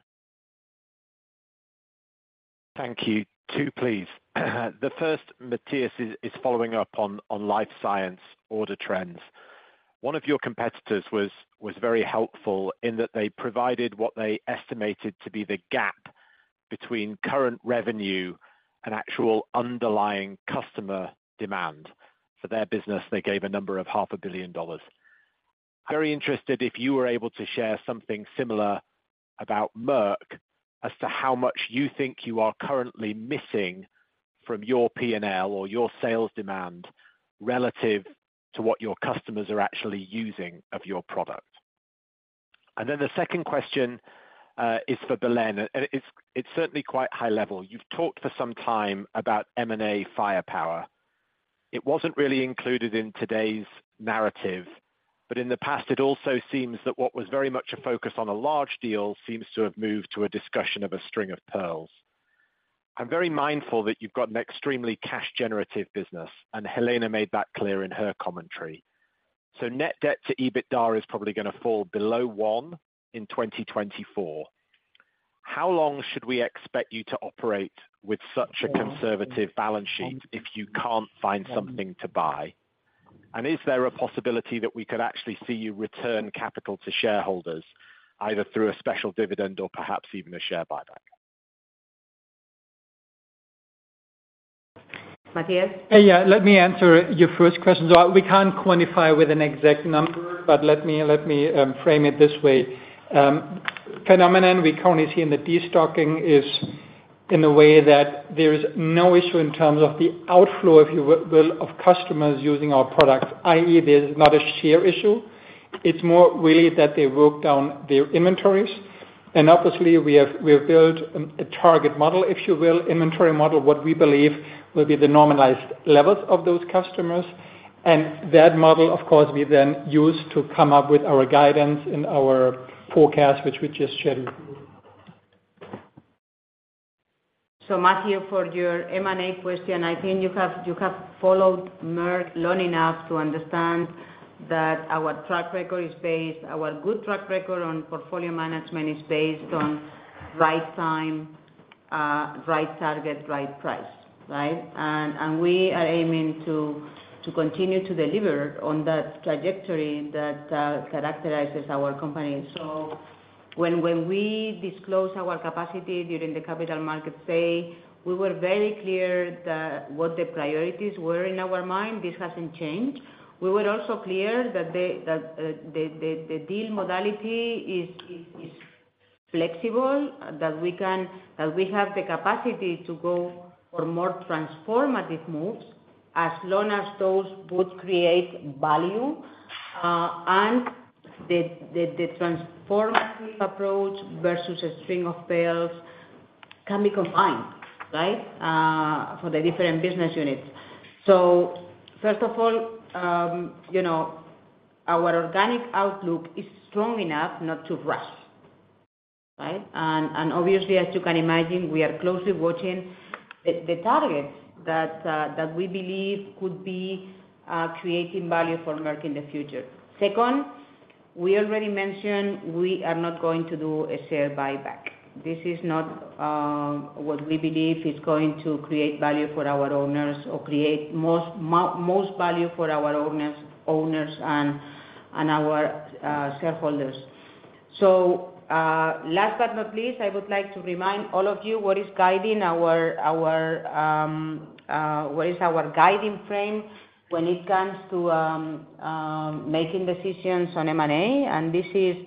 Thank you. Two, please. The first, Matthias, is following up on Life Science order trends. One of your competitors was very helpful in that they provided what they estimated to be the gap between current revenue and actual underlying customer demand. For their business, they gave a number of $500 million. Very interested if you were able to share something similar about Merck, as to how much you think you are currently missing from your P&L or your sales demand, relative to what your customers are actually using of your product. Then the second question is for Belén. It's certainly quite high level. You've talked for some time about M&A firepower. It wasn't really included in today's narrative. In the past, it also seems that what was very much a focus on a large deal, seems to have moved to a discussion of a string of pearls. I'm very mindful that you've got an extremely cash generative business, and Helene made that clear in her commentary. Net debt to EBITDA is probably gonna fall below one in 2024. How long should we expect you to operate with such a conservative balance sheet if you can't find something to buy? Is there a possibility that we could actually see you return capital to shareholders, either through a special dividend or perhaps even a share buyback? Matthias? Yeah, let me answer your first question. We can't quantify with an exact number, but let me, let me, frame it this way. Phenomenon we currently see in the destocking is in a way that there is no issue in terms of the outflow, if you will, of customers using our products, i.e., there's not a sheer issue. It's more really that they work down their inventories, and obviously, we have built a target model, if you will, inventory model, what we believe will be the normalized levels of those customers. That model, of course, we then use to come up with our guidance and our forecast, which we just shared. Matthew, for your M&A question, I think you have, you have followed Merck long enough to understand that our track record is based, our good track record on portfolio management is based on right time, right target, right price, right? We are aiming to, to continue to deliver on that trajectory that characterizes our company. When, when we disclose our capacity during the Capital Markets Day, we were very clear that what the priorities were in our mind, this hasn't changed. We were also clear that the, that, the, the, the deal modality is, is, is flexible, that we have the capacity to go for more transformative moves, as long as those would create value, and the, the, the transformative approach versus a string of pearls can be combined, right, for the different business units. First of all, you know, our organic outlook is strong enough not to rush, right? Obviously, as you can imagine, we are closely watching the targets that we believe could be creating value for Merck in the future. Second, we already mentioned, we are not going to do a share buyback. This is not what we believe is going to create value for our owners or create most value for our owners, owners and our shareholders. Last but not least, I would like to remind all of you what is guiding our, our, what is our guiding frame when it comes to making decisions on M&A, and this is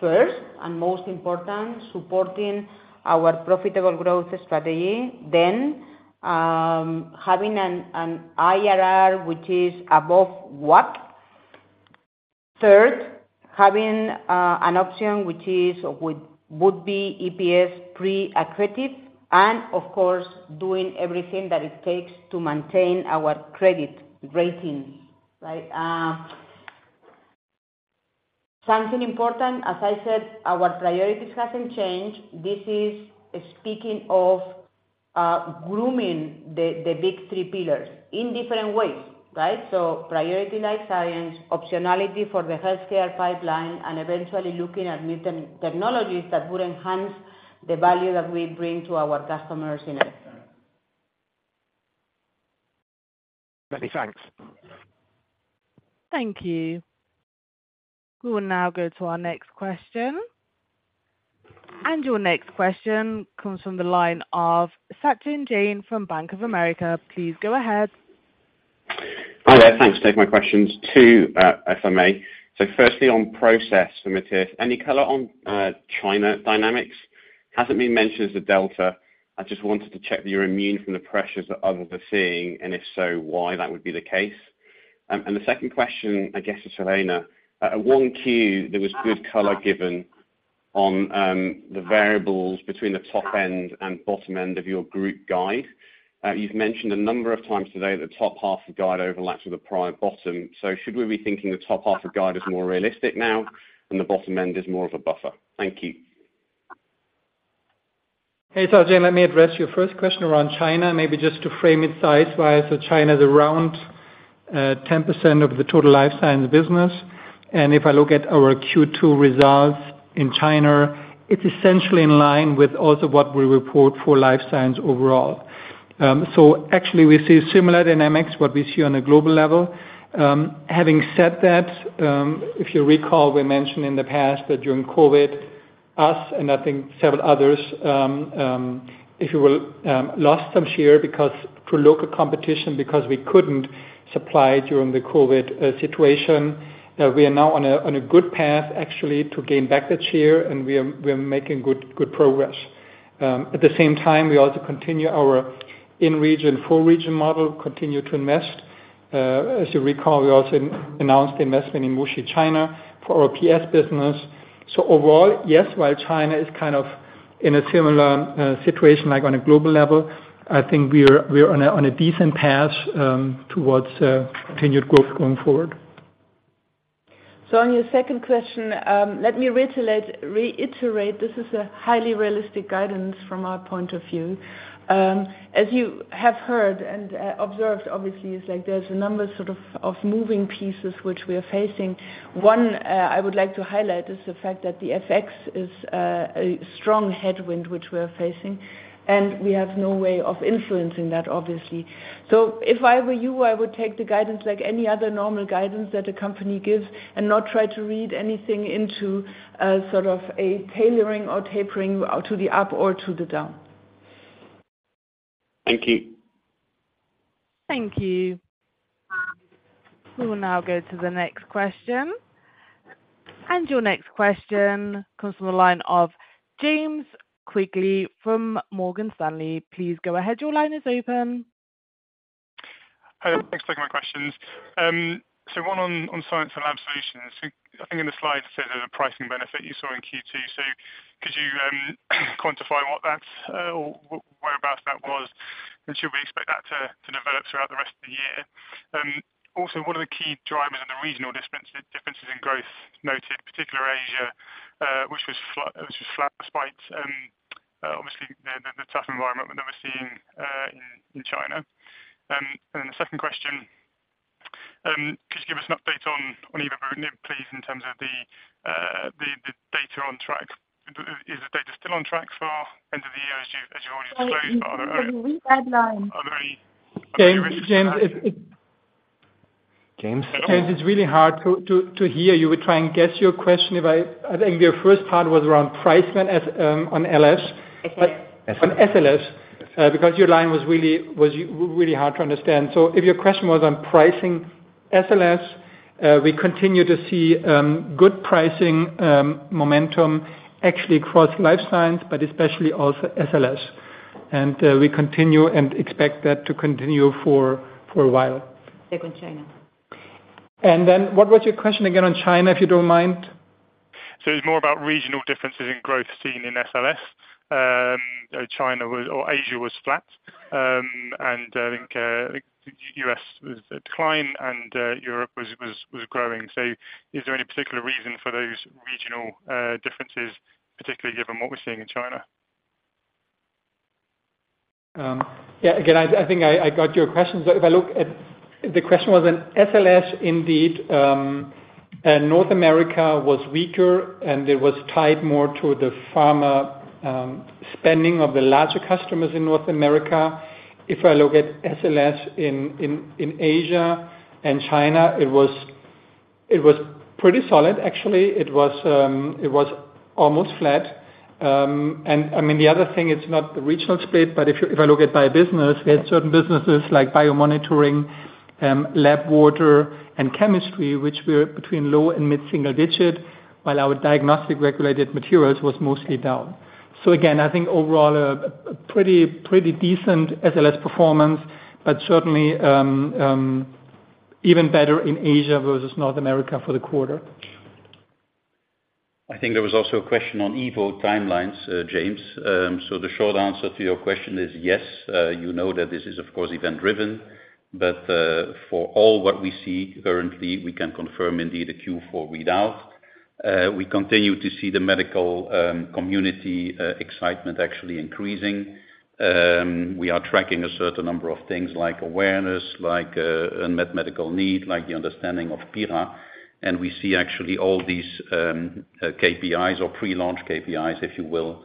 first and most important, supporting our profitable growth strategy. Having an IRR, which is above WACC. Third, having an option which is, would, would be EPS pre-accretive, and of course, doing everything that it takes to maintain our credit ratings, right? Something important, as I said, our priorities hasn't changed. This is speaking of grooming the big three pillars in different ways, right? Priority Life Science, optionality for the Healthcare pipeline, and eventually looking at new technologies that would enhance the value that we bring to our customers in it. Many thanks. Thank you. We will now go to our next question. Your next question comes from the line of Sachin Jain from Bank of America. Please go ahead. Hi there. Thanks. Take my questions to FMA. Firstly, on Process for Matthias, any color on China dynamics? Hasn't been mentioned as a delta. I just wanted to check that you're immune from the pressures that others are seeing, and if so, why that would be the case. And the second question, I guess, to Helene. At 1 Q, there was good color given on the variables between the top end and bottom end of your group guide. You've mentioned a number of times today that the top half of the guide overlaps with the prior bottom. Should we be thinking the top half of guide is more realistic now and the bottom end is more of a buffer? Thank you. Hey, Sachin, let me address your first question around China, maybe just to frame it size-wise. China is around 10% of the total Life Science business. If I look at our Q2 results in China, it's essentially in line with also what we report for Life Science overall. Actually, we see similar dynamics, what we see on a global level. Having said that, if you recall, we mentioned in the past that during COVID, us, and I think several others, if you will, lost some share because through local competition, because we couldn't supply during the COVID situation. We are now on a good path, actually, to gain back the share, and we are, we are making good, good progress. At the same time, we also continue our in-region, full-region model, continue to invest. As you recall, we also announced investment in Wuxi, China, for our PS business. Overall, yes, while China is kind of in a similar situation, like on a global level, I think we are, we are on a, on a decent path, towards continued growth going forward. On your second question, let me reiterate, reiterate, this is a highly realistic guidance from our point of view. As you have heard and observed, obviously, it's like there's a number sort of, of moving pieces which we are facing. One, I would like to highlight, is the fact that the FX is a strong headwind which we are facing, and we have no way of influencing that, obviously. If I were you, I would take the guidance like any other normal guidance that a company gives and not try to read anything into a sort of a tailoring or tapering to the up or to the down. Thank you. Thank you. We will now go to the next question. Your next question comes from the line of James Quigley from Morgan Stanley. Please go ahead. Your line is open. Hi, thanks for taking my questions. One on, on Science and Lab Solutions. I, I think in the slides, it said there's a pricing benefit you saw in Q2. Could you quantify what that's or whereabouts that was, and should we expect that to, to develop throughout the rest of the year? Also, what are the key drivers and the regional dispense, differences in growth noted, particular Asia, which was flat, which was flat despite obviously the, the, the tough environment that we're seeing in, in China? And then the second question, could you give us an update on, on Evobrutinib, please, in terms of the, the, the data on track? Is the data still on track for end of the year, as you, as you already disclosed? Are there, are there any- James, James, it. James? James, it's really hard to hear you. We try and guess your question if I think your first part was around pricing as on LS. SLS. On SLS, because your line was really, really hard to understand. If your question was on pricing SLS, we continue to see good pricing momentum actually across Life Science, but especially also SLS. We continue and expect that to continue for, for a while. Second, China. Then what was your question again on China, if you don't mind? It's more about regional differences in growth seen in SLS. China was, or Asia was flat. And I think, US was decline and, Europe was, was, was growing. Is there any particular reason for those regional differences, particularly given what we're seeing in China? Yeah, again, I, I think I, I got your question. If I look at. The question was on SLS, indeed, North America was weaker, and it was tied more to the pharma spending of the larger customers in North America. If I look at SLS in Asia and China, it was pretty solid, actually. It was almost flat. I mean, the other thing, it's not the regional split, but if I look at by business- Yeah. We had certain businesses like BioMonitoring, Lab Water and chemistry, which were between low and mid-single digit, while our Diagnostics and regulated materials was mostly down. Again, I think overall, a pretty, pretty decent SLS performance, but certainly even better in Asia versus North America for the quarter. I think there was also a question on Evo timelines, James. The short answer to your question is yes. You know that this is, of course, event-driven, but for all what we see currently, we can confirm indeed a Q4 read out. We continue to see the medical community excitement actually increasing. We are tracking a certain number of things like awareness, like unmet medical need, like the understanding of PIRA, and we see actually all these KPIs or pre-launch KPIs, if you will,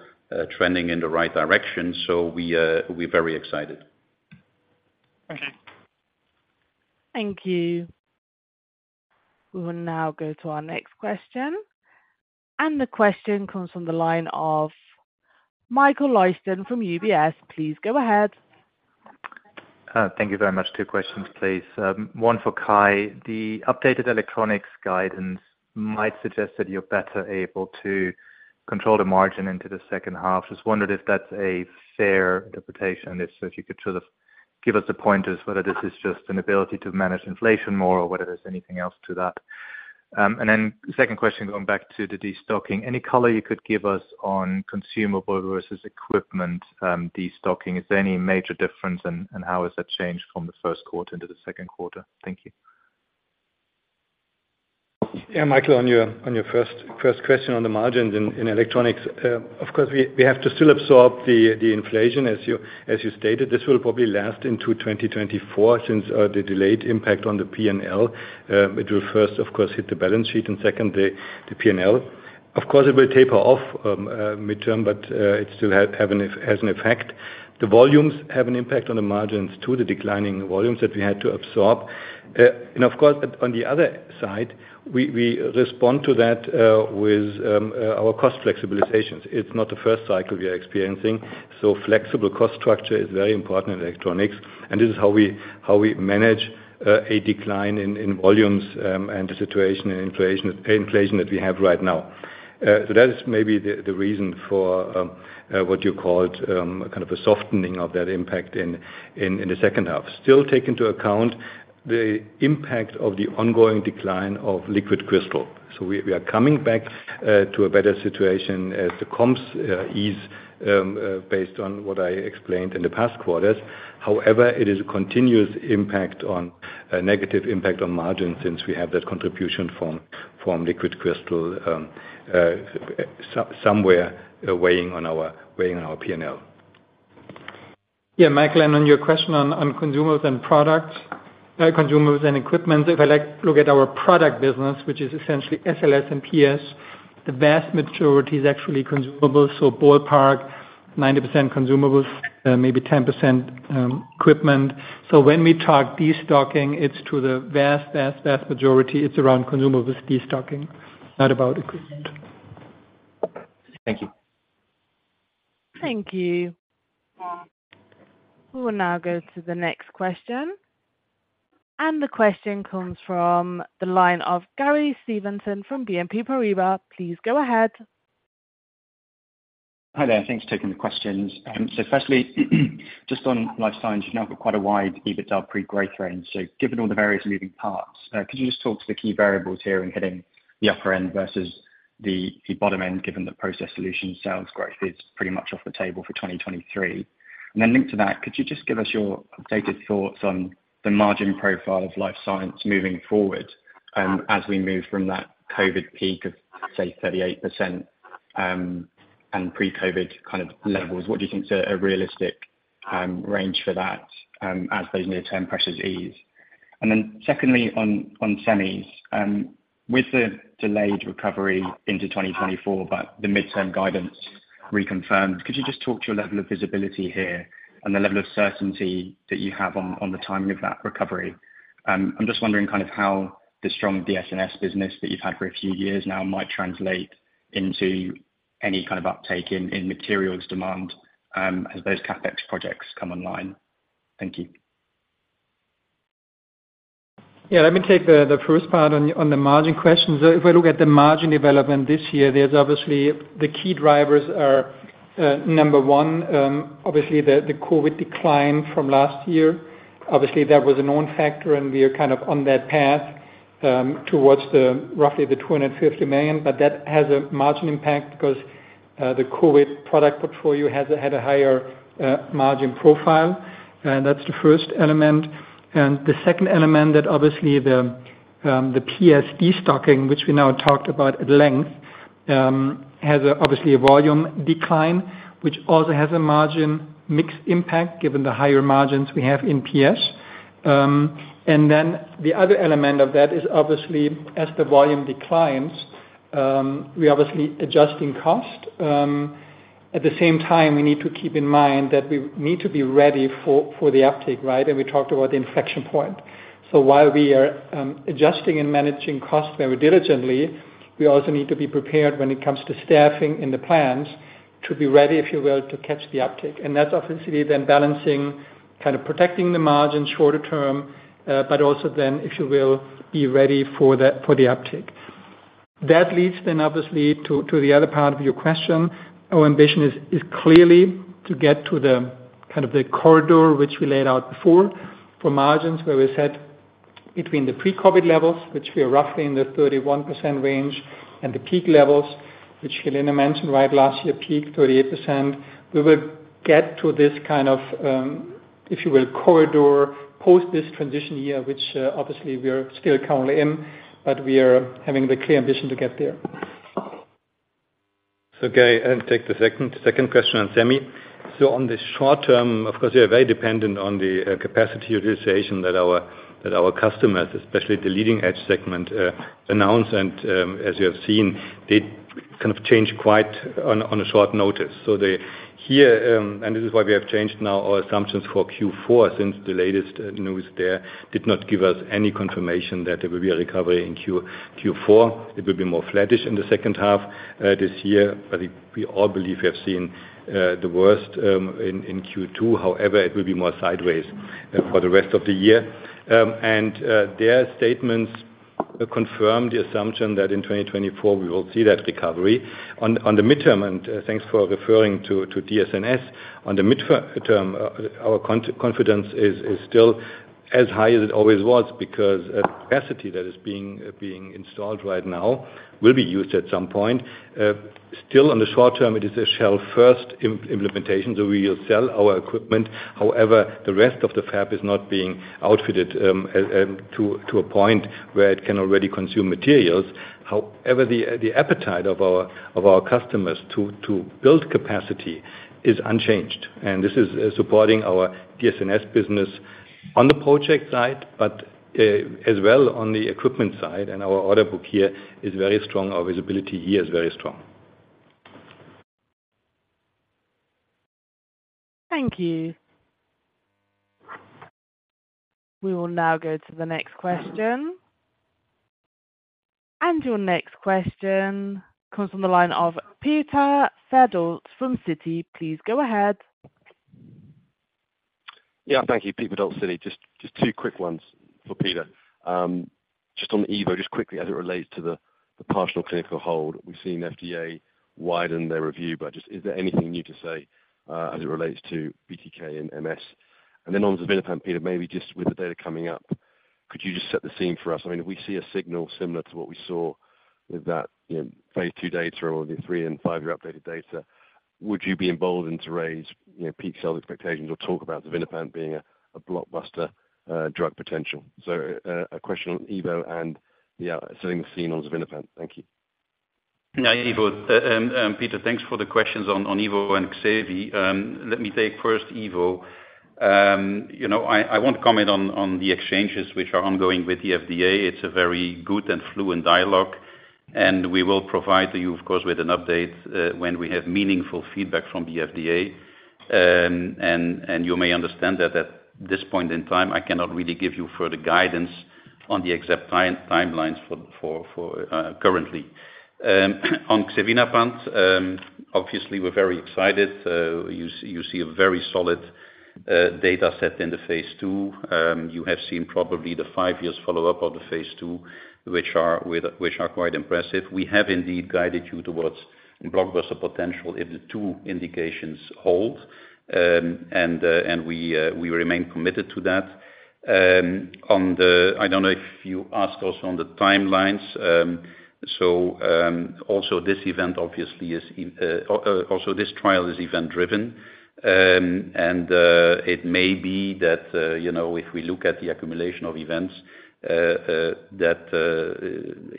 trending in the right direction. We're very excited. Okay. Thank you. We will now go to our next question, and the question comes from the line of Michael Leuchten from UBS. Please go ahead. Thank you very much. Two questions, please. One for Kai. The updated Electronics guidance might suggest that you're better able to control the margin into the second half. Just wondered if that's a fair interpretation, if, so if you could sort of give us a point as whether this is just an ability to manage inflation more or whether there's anything else to that. Then second question, going back to the destocking. Any color you could give us on consumable versus equipment, destocking? Is there any major difference, and how has that changed from the first quarter into the second quarter? Thank you. Yeah, Michael, on your, on your first, first question on the margins in Electronics, of course, we, we have to still absorb the, the inflation, as you, as you stated. This will probably last into 2024, since, the delayed impact on the PNL. It will first, of course, hit the balance sheet, and second, the, the PNL. Of course, it will taper off, midterm, but, it still has an effect. The volumes have an impact on the margins, too, the declining volumes that we had to absorb. Of course, on the other side, we, we respond to that, with, our cost flexibilizations. It's not the first cycle we are experiencing, so flexible cost structure is very important in Electronics, and this is how we, how we manage a decline in, in volumes, and the situation in inflation, inflation that we have right now. That is maybe the, the reason for what you called kind of a softening of that impact in, in, in the second half. Still, take into account the impact of the ongoing decline of liquid crystal. We, we are coming back to a better situation as the comps ease based on what I explained in the past quarters. However, it is a continuous impact on, a negative impact on margin since we have that contribution from, from liquid crystal somewhere weighing on our, weighing on our P&L. Yeah, Michael, and on your question on, on consumables and products, consumables and equipment, if I like, look at our product business, which is essentially SLS and PS, the vast majority is actually consumables. Ballpark, 90% consumables, maybe 10% equipment. When we talk destocking, it's to the vast, vast, vast majority, it's around consumables destocking, not about equipment. Thank you. Thank you. We will now go to the next question. The question comes from the line of Gary Steventon from BNP Paribas. Please go ahead. Hi there. Thanks for taking the questions. Firstly, just on Life Science, you've now got quite a wide EBITDA pre-growth range. Given all the various moving parts, could you just talk to the key variables here in hitting the upper end versus the, the bottom end, given the Process Solutions sales growth is pretty much off the table for 2023? Linked to that, could you just give us your updated thoughts on the margin profile of Life Science moving forward, as we move from that COVID peak of, say, 38%, and pre-COVID kind of levels? What do you think is a realistic range for that, as those near-term pressures ease? Secondly, on, on Semis, with the delayed recovery into 2024, but the midterm guidance reconfirmed, could you just talk to your level of visibility here and the level of certainty that you have on, on the timing of that recovery? I'm just wondering kind of how the strong DSNS business that you've had for a few years now might translate into any kind of uptake in, in materials demand, as those CapEx projects come online. Thank you. Yeah, let me take the first part on the margin question. If I look at the margin development this year, there's obviously the key drivers are number one, obviously the COVID decline from last year. Obviously, that was a known factor, and we are kind of on that path towards the roughly 250 million, but that has a margin impact because the COVID product portfolio has had a higher margin profile, and that's the first element. The second element that obviously the PS destocking, which we now talked about at length, has obviously a volume decline, which also has a margin mix impact given the higher margins we have in PS. The other element of that is obviously as the volume declines, we're obviously adjusting cost. At the same time, we need to keep in mind that we need to be ready for the uptick, right? We talked about the inflection point. While we are adjusting and managing costs very diligently, we also need to be prepared when it comes to staffing in the plans to be ready, if you will, to catch the uptick. That's obviously then balancing, kind of protecting the margin shorter term, but also then, if you will, be ready for the uptick. That leads then, obviously, to the other part of your question. Our ambition is clearly to get to the kind of the corridor which we laid out before for margins, where we said between the pre-COVID levels, which we are roughly in the 31% range, and the peak levels, which Helena mentioned, right? Last year, peak 38%. We will get to this kind of, if you will, corridor, post this transition year, which obviously we are still currently in, but we are having the clear ambition to get there. Gary, I'll take the second, second question on semi. On the short term, of course, we are very dependent on the capacity utilization that our, that our customers, especially the leading-edge segment, announce. As you have seen, they kind of change quite on, on a short notice. They here, and this is why we have changed now our assumptions for Q4, since the latest news there did not give us any confirmation that there will be a recovery in Q-Q4. It will be more flattish in the second half this year, but we, we all believe we have seen the worst in Q2. However, it will be more sideways for the rest of the year. Their statements confirm the assumption that in 2024 we will see that recovery. On, on the midterm, thanks for referring to, to DSNS. On the midterm, our confidence is, is still as high as it always was, because capacity that is being, being installed right now will be used at some point. Still, on the short term, it is a shelf first implementation, we will sell our equipment. However, the rest of the fab is not being outfitted to, to a point where it can already consume materials. However, the, the appetite of our, of our customers to, to build capacity is unchanged, this is supporting our DSNS business on the project side, as well on the equipment side. Our order book here is very strong. Our visibility here is very strong. Thank you. We will now go to the next question. Your next question comes from the line of Peter Verdult from Citi. Please go ahead. Thank you, Peter Verdult Citi. Just two quick ones for Peter. Just on Evo, just quickly as it relates to the partial clinical hold. We've seen FDA widen their review, but just is there anything new to say as it relates to BTK and MS? Then on Xevinapant, Peter, maybe just with the data coming up, could you just set the scene for us? I mean, if we see a signal similar to what we saw with that, you know, phase II data or the three and five-year updated data, would you be emboldened to raise, you know, peak sales expectations or talk about Xevinapant being a blockbuster drug potential? A question on Evo and, setting the scene on Xevinapant. Thank you. Yeah, Evo. Peter, thanks for the questions on, on Evo and Xavi. Let me take first Evo. You know, I, I won't comment on, on the exchanges which are ongoing with the FDA. It's a very good and fluent dialogue, and we will provide you, of course, with an update, when we have meaningful feedback from the FDA. And, and you may understand that at this point in time, I cannot really give you further guidance on the exact time-timelines for, for, for, currently. On Xevinapant, obviously we're very excited. You s- you see a very solid, data set in the phase II. You have seen probably the five years follow-up of the phase II, which are with-- which are quite impressive. We have indeed guided you towards blockbuster potential if the two indications hold, and we remain committed to that. I don't know if you asked also on the timelines. Also this event obviously is, also this trial is event-driven. It may be that, you know, if we look at the accumulation of events, that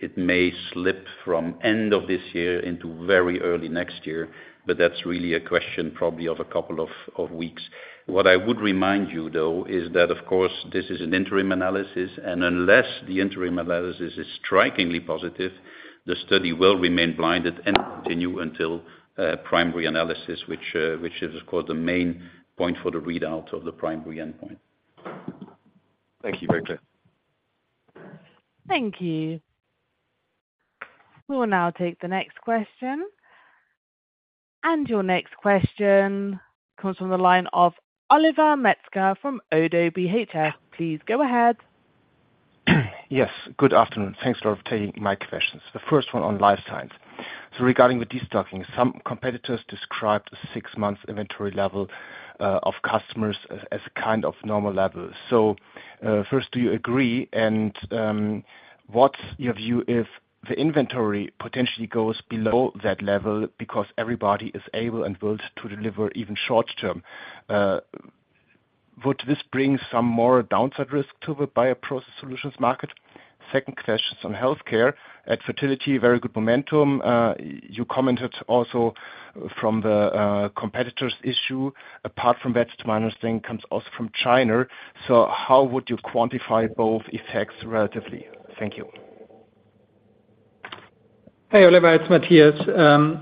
it may slip from end of this year into very early next year, but that's really a question probably of a couple of weeks. What I would remind you, though, is that of course this is an interim analysis, and unless the interim analysis is strikingly positive, the study will remain blinded and continue until primary analysis, which is of course the main point for the readout of the primary endpoint. Thank you, very clear. Thank you. We will now take the next question. Your next question comes from the line of Oliver Metzger from Oddo BHF. Please go ahead. Yes, good afternoon. Thanks a lot for taking my questions. The first one on Life Science. Regarding the destocking, some competitors described a six-month inventory level of customers as a kind of normal level. First, do you agree? What's your view if the inventory potentially goes below that level because everybody is able and willing to deliver even short term? Would this bring some more downside risk to the bioprocess solutions market? Second question on Healthcare. At fertility, very good momentum. You commented also from the competitors issue, apart from that, to my understanding, comes also from China. How would you quantify both effects relatively? Thank you. Hey, Oliver, it's Matthias.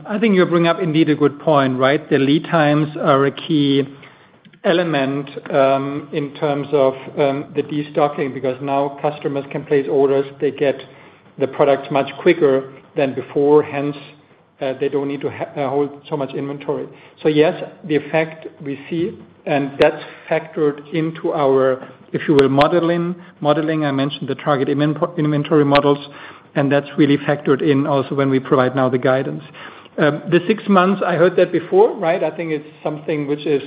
I think you bring up indeed a good point, right? The lead times are a key element in terms of the destocking, because now customers can place orders, they get the products much quicker than before, hence, they don't need to hold so much inventory. Yes, the effect we see, and that's factored into our, if you will, modeling. Modeling, I mentioned the target inventory models, and that's really factored in also when we provide now the guidance. The 6 months, I heard that before, right? I think it's something which is,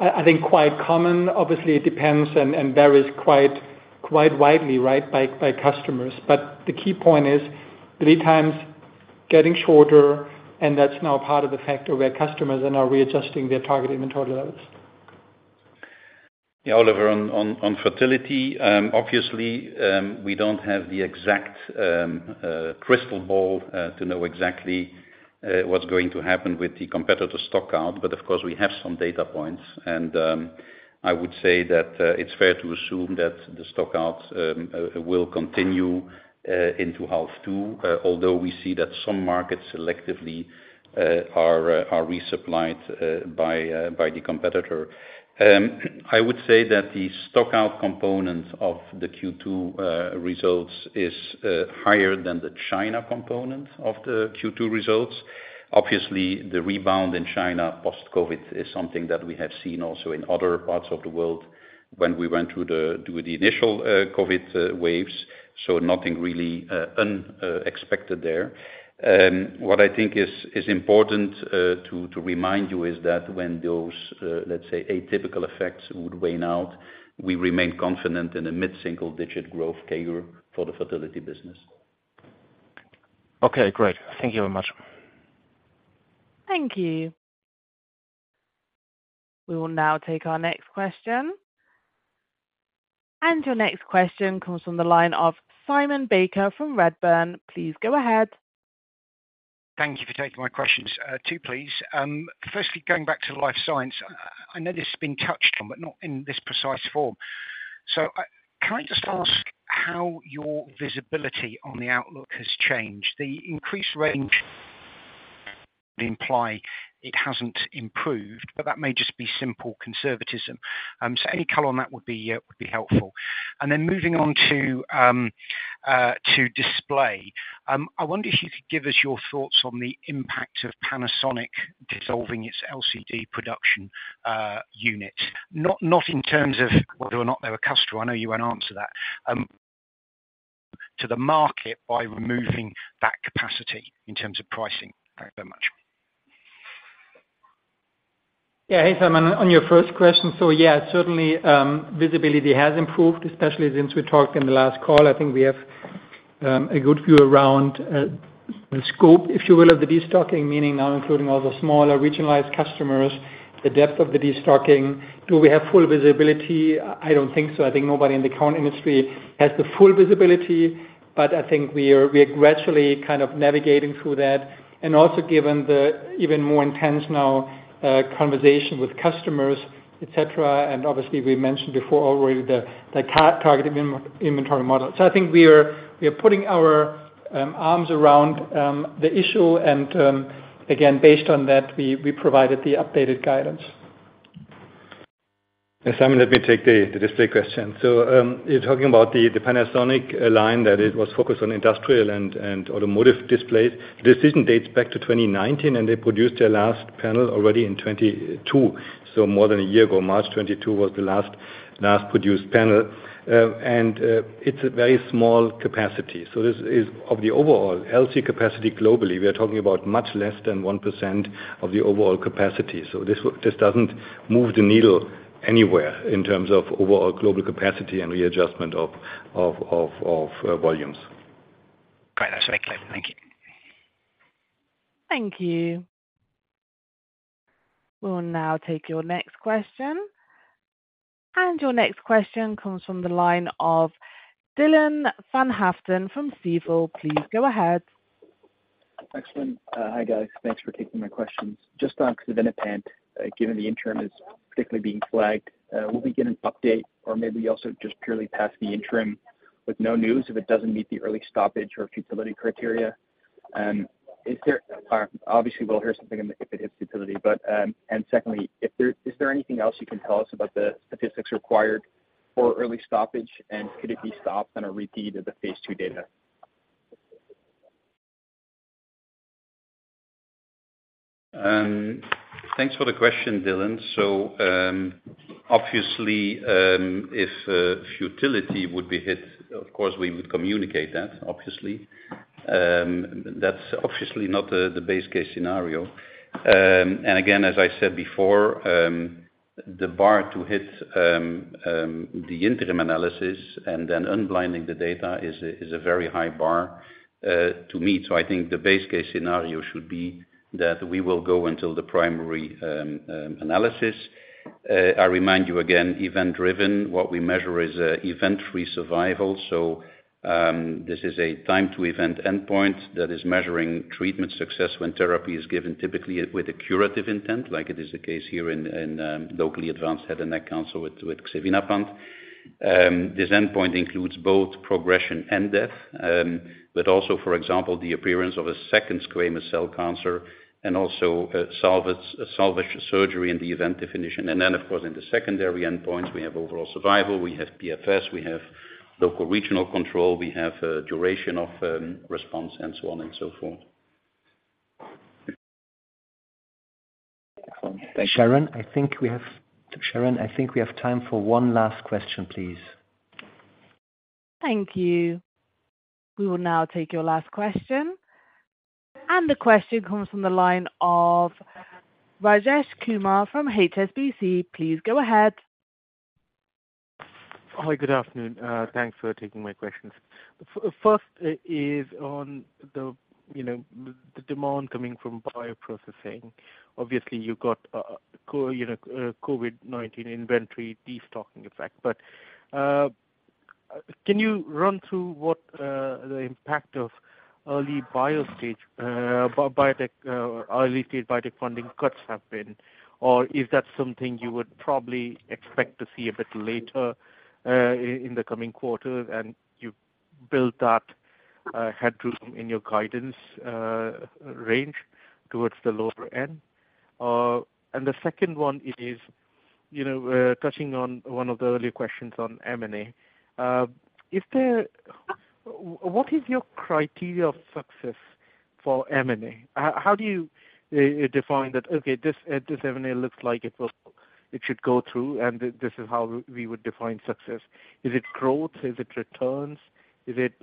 I, I think, quite common. Obviously, it depends and, and varies quite, quite widely, right, by, by customers. The key point is lead times getting shorter, and that's now part of the factor where customers are now readjusting their target inventory levels. Yeah, Oliver, on, on, on fertility, obviously, we don't have the exact crystal ball to know exactly what's going to happen with the competitor stock out. Of course, we have some data points, and I would say that it's fair to assume that the stock out will continue into half two, although we see that some markets selectively are resupplied by the competitor. I would say that the stock out component of the Q2 results is higher than the China component of the Q2 results. Obviously, the rebound in China post-COVID is something that we have seen also in other parts of the world when we went through the, through the initial COVID waves, so nothing really unexpected there. What I think is, is important, to, to remind you is that when those, let's say, atypical effects would weigh out, we remain confident in a mid-single-digit growth CAGR for the fertility business. Okay, great. Thank you very much. Thank you. We will now take our next question. Your next question comes from the line of Simon Baker from Redburn. Please go ahead. Thank you for taking my questions. Two, please. Firstly, going back to the Life Science, I know this has been touched on, but not in this precise form. Can I just ask how your visibility on the outlook has changed? The increased range imply it hasn't improved, but that may just be simple conservatism. Any color on that would be helpful. Then moving on to Display, I wonder if you could give us your thoughts on the impact of Panasonic dissolving its LCD production unit? Not, not in terms of whether or not they're a customer, I know you won't answer that, to the market by removing that capacity in terms of pricing? Thank you very much. Yeah, hey, Simon, on your first question, yeah, certainly, visibility has improved, especially since we talked in the last call. I think we have a good view around the scope, if you will, of the destocking, meaning now including all the smaller regionalized customers, the depth of the destocking. Do we have full visibility? I don't think so. I think nobody in the current industry has the full visibility, but I think we are, we are gradually kind of navigating through that, and also given the even more intense now, conversation with customers, et cetera. Obviously, we mentioned before already the targeted inventory model. I think we are, we are putting our arms around the issue, and again, based on that, we, we provided the updated guidance. Simon, let me take the display question. You're talking about the Panasonic line that it was focused on industrial and automotive displays. The decision dates back to 2019, and they produced their last panel already in 2022, so more than a year ago. March 2022 was the last, last produced panel. It's a very small capacity, so this is of the overall LC capacity globally, we are talking about much less than 1% of the overall capacity. This doesn't move the needle anywhere in terms of overall global capacity and readjustment of volumes. Great. That's very clear. Thank you. Thank you. We'll now take your next question. Your next question comes from the line of Dylan van Haaften from Stifel. Please go ahead. Excellent. Hi, guys. Thanks for taking my questions. Just on Xevinapant, given the interim is particularly being flagged, will we get an update or maybe also just purely past the interim with no news if it doesn't meet the early stoppage or futility criteria? Is there... Obviously, we'll hear something if it hits futility. Secondly, is there anything else you can tell us about the statistics required for early stoppage, and could it be stopped on a repeat of the phase II data? Thanks for the question, Dylan. Obviously, if futility would be hit, of course, we would communicate that, obviously. That's obviously not the base case scenario. Again, as I said before, the bar to hit the interim analysis and then unblinding the data is a very high bar to meet. I think the base case scenario should be that we will go until the primary analysis. I remind you again, event-driven, what we measure is event-free survival. This is a time-to-event endpoint that is measuring treatment success when therapy is given typically with a curative intent, like it is the case here in locally advanced head and neck cancer with Xevinapant. This endpoint includes both progression and death, but also, for example, the appearance of a second squamous cell cancer and also, salvage, a salvage surgery in the event definition. Then, of course, in the secondary endpoint, we have overall survival, we have PFS, we have local regional control, we have duration of response and so on and so forth. Excellent. Thank you. Sharon, I think we have time for one last question, please. Thank you. We will now take your last question, and the question comes from the line of Rajesh Kumar from HSBC. Please go ahead. Hi, good afternoon. Thanks for taking my questions. First, is on the, you know, the demand coming from bioprocessing. Obviously, you got, you know, COVID-19 inventory, destocking effect. Can you run through what the impact of early bio stage, biotech, early-stage biotech funding cuts have been? Is that something you would probably expect to see a bit later in the coming quarter, and you've built that headroom in your guidance range towards the lower end? The second one is, you know, touching on one of the earlier questions on M&A. What is your criteria of success for M&A? How do you define that? Okay, this, this M&A looks like it will, it should go through. This is how we would define success. Is it growth? Is it returns? Is it,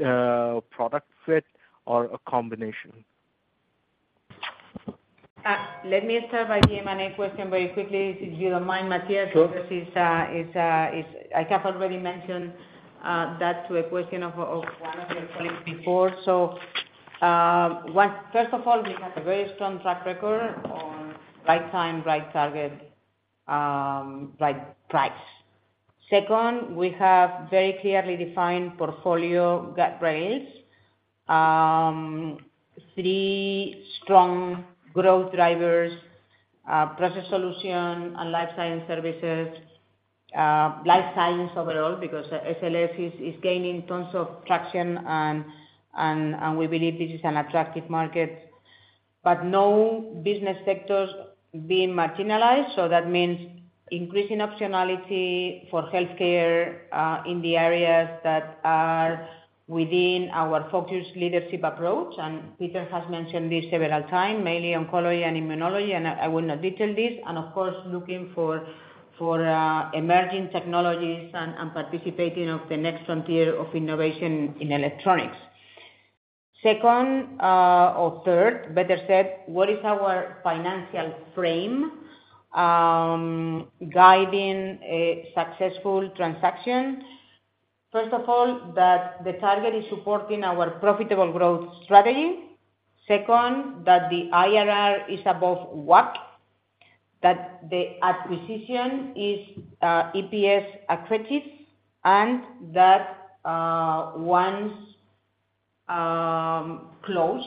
product fit or a combination? Let me start by the M&A question very quickly, if you don't mind, Matthias. Sure. This is, I have already mentioned that to a question of one of your colleagues before. First of all, we have a very strong track record on right time, right target, right price. Second, we have very clearly defined portfolio guardrails. Three strong growth drivers, Process Solutions and Life Science Services, Life Science overall, because SLS is gaining tons of traction, and we believe this is an attractive market, but no business sectors being marginalized. That means increasing optionality for Healthcare in the areas that are within our focused leadership approach. Peter has mentioned this several times, mainly oncology and immunology, and I will not detail this. Of course, looking for emerging technologies and participating of the next frontier of innovation in Electronics. Second, or third, better said, what is our financial frame guiding a successful transaction? First of all, that the target is supporting our profitable growth strategy. Second, that the IRR is above WACC, that the acquisition is EPS accretive, and that once closed,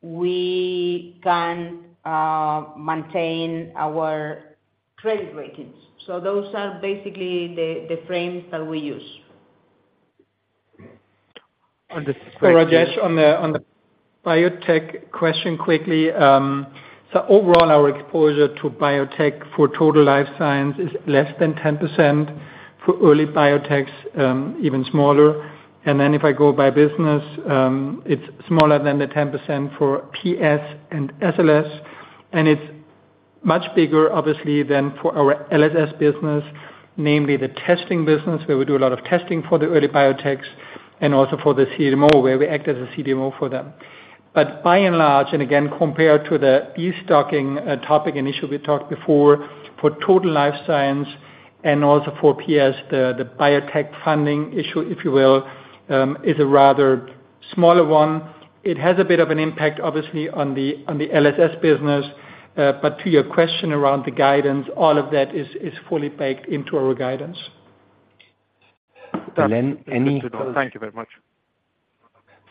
we can maintain our credit ratings. Those are basically the, the frames that we use. On the- Rajesh, on the, on the biotech question quickly. Overall, our exposure to biotech for total life science is less than 10%, for early biotechs, even smaller. Then if I go by business, it's smaller than the 10% for PS and SLS, and it's much bigger, obviously, than for our LSS business, namely the testing business, where we do a lot of testing for the early biotechs and also for the CDMO, where we act as a CDMO for them. By and large, and again, compared to the e-stocking topic and issue we talked before, for total life science and also for PS, the, the biotech funding issue, if you will, is a rather smaller one. It has a bit of an impact, obviously, on the, on the LSS business. To your question around the guidance, all of that is, is fully baked into our guidance. Len, Thank you very much.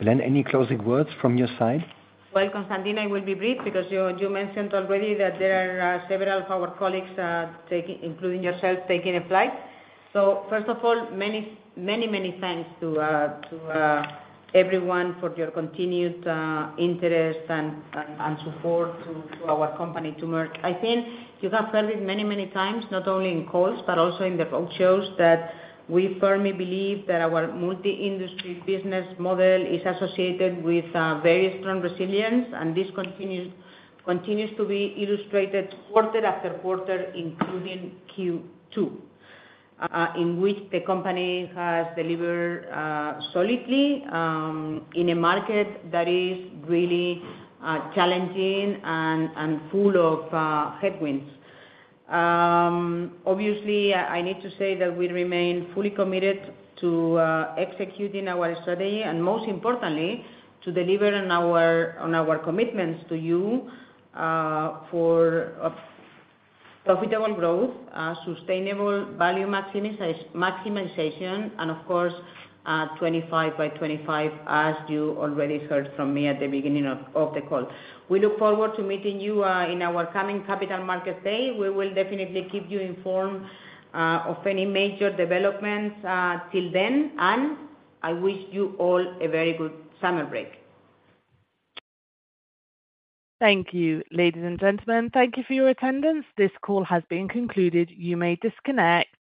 Len, any closing words from your side? Constantine, I will be brief because you, you mentioned already that there are several of our colleagues, taking, including yourself, taking a flight. First of all, many, many, many thanks to, to everyone for your continued interest and, and, and support to, to our company, to Merck. I think you have heard it many, many times, not only in calls but also in the roadshows, that we firmly believe that our multi-industry business model is associated with very strong resilience, and this continues, continues to be illustrated quarter after quarter, including Q2, in which the company has delivered solidly in a market that is really challenging and, and full of headwinds. Obviously, I, I need to say that we remain fully committed to executing our strategy and most importantly, to deliver on our, on our commitments to you, for a profitable growth, a sustainable value maximiza- maximization, and of course, 25 by 25, as you already heard from me at the beginning of the call. We look forward to meeting you in our coming Capital Market Day. We will definitely keep you informed of any major developments till then, and I wish you all a very good summer break. Thank you, ladies and gentlemen. Thank you for your attendance. This call has been concluded. You may disconnect.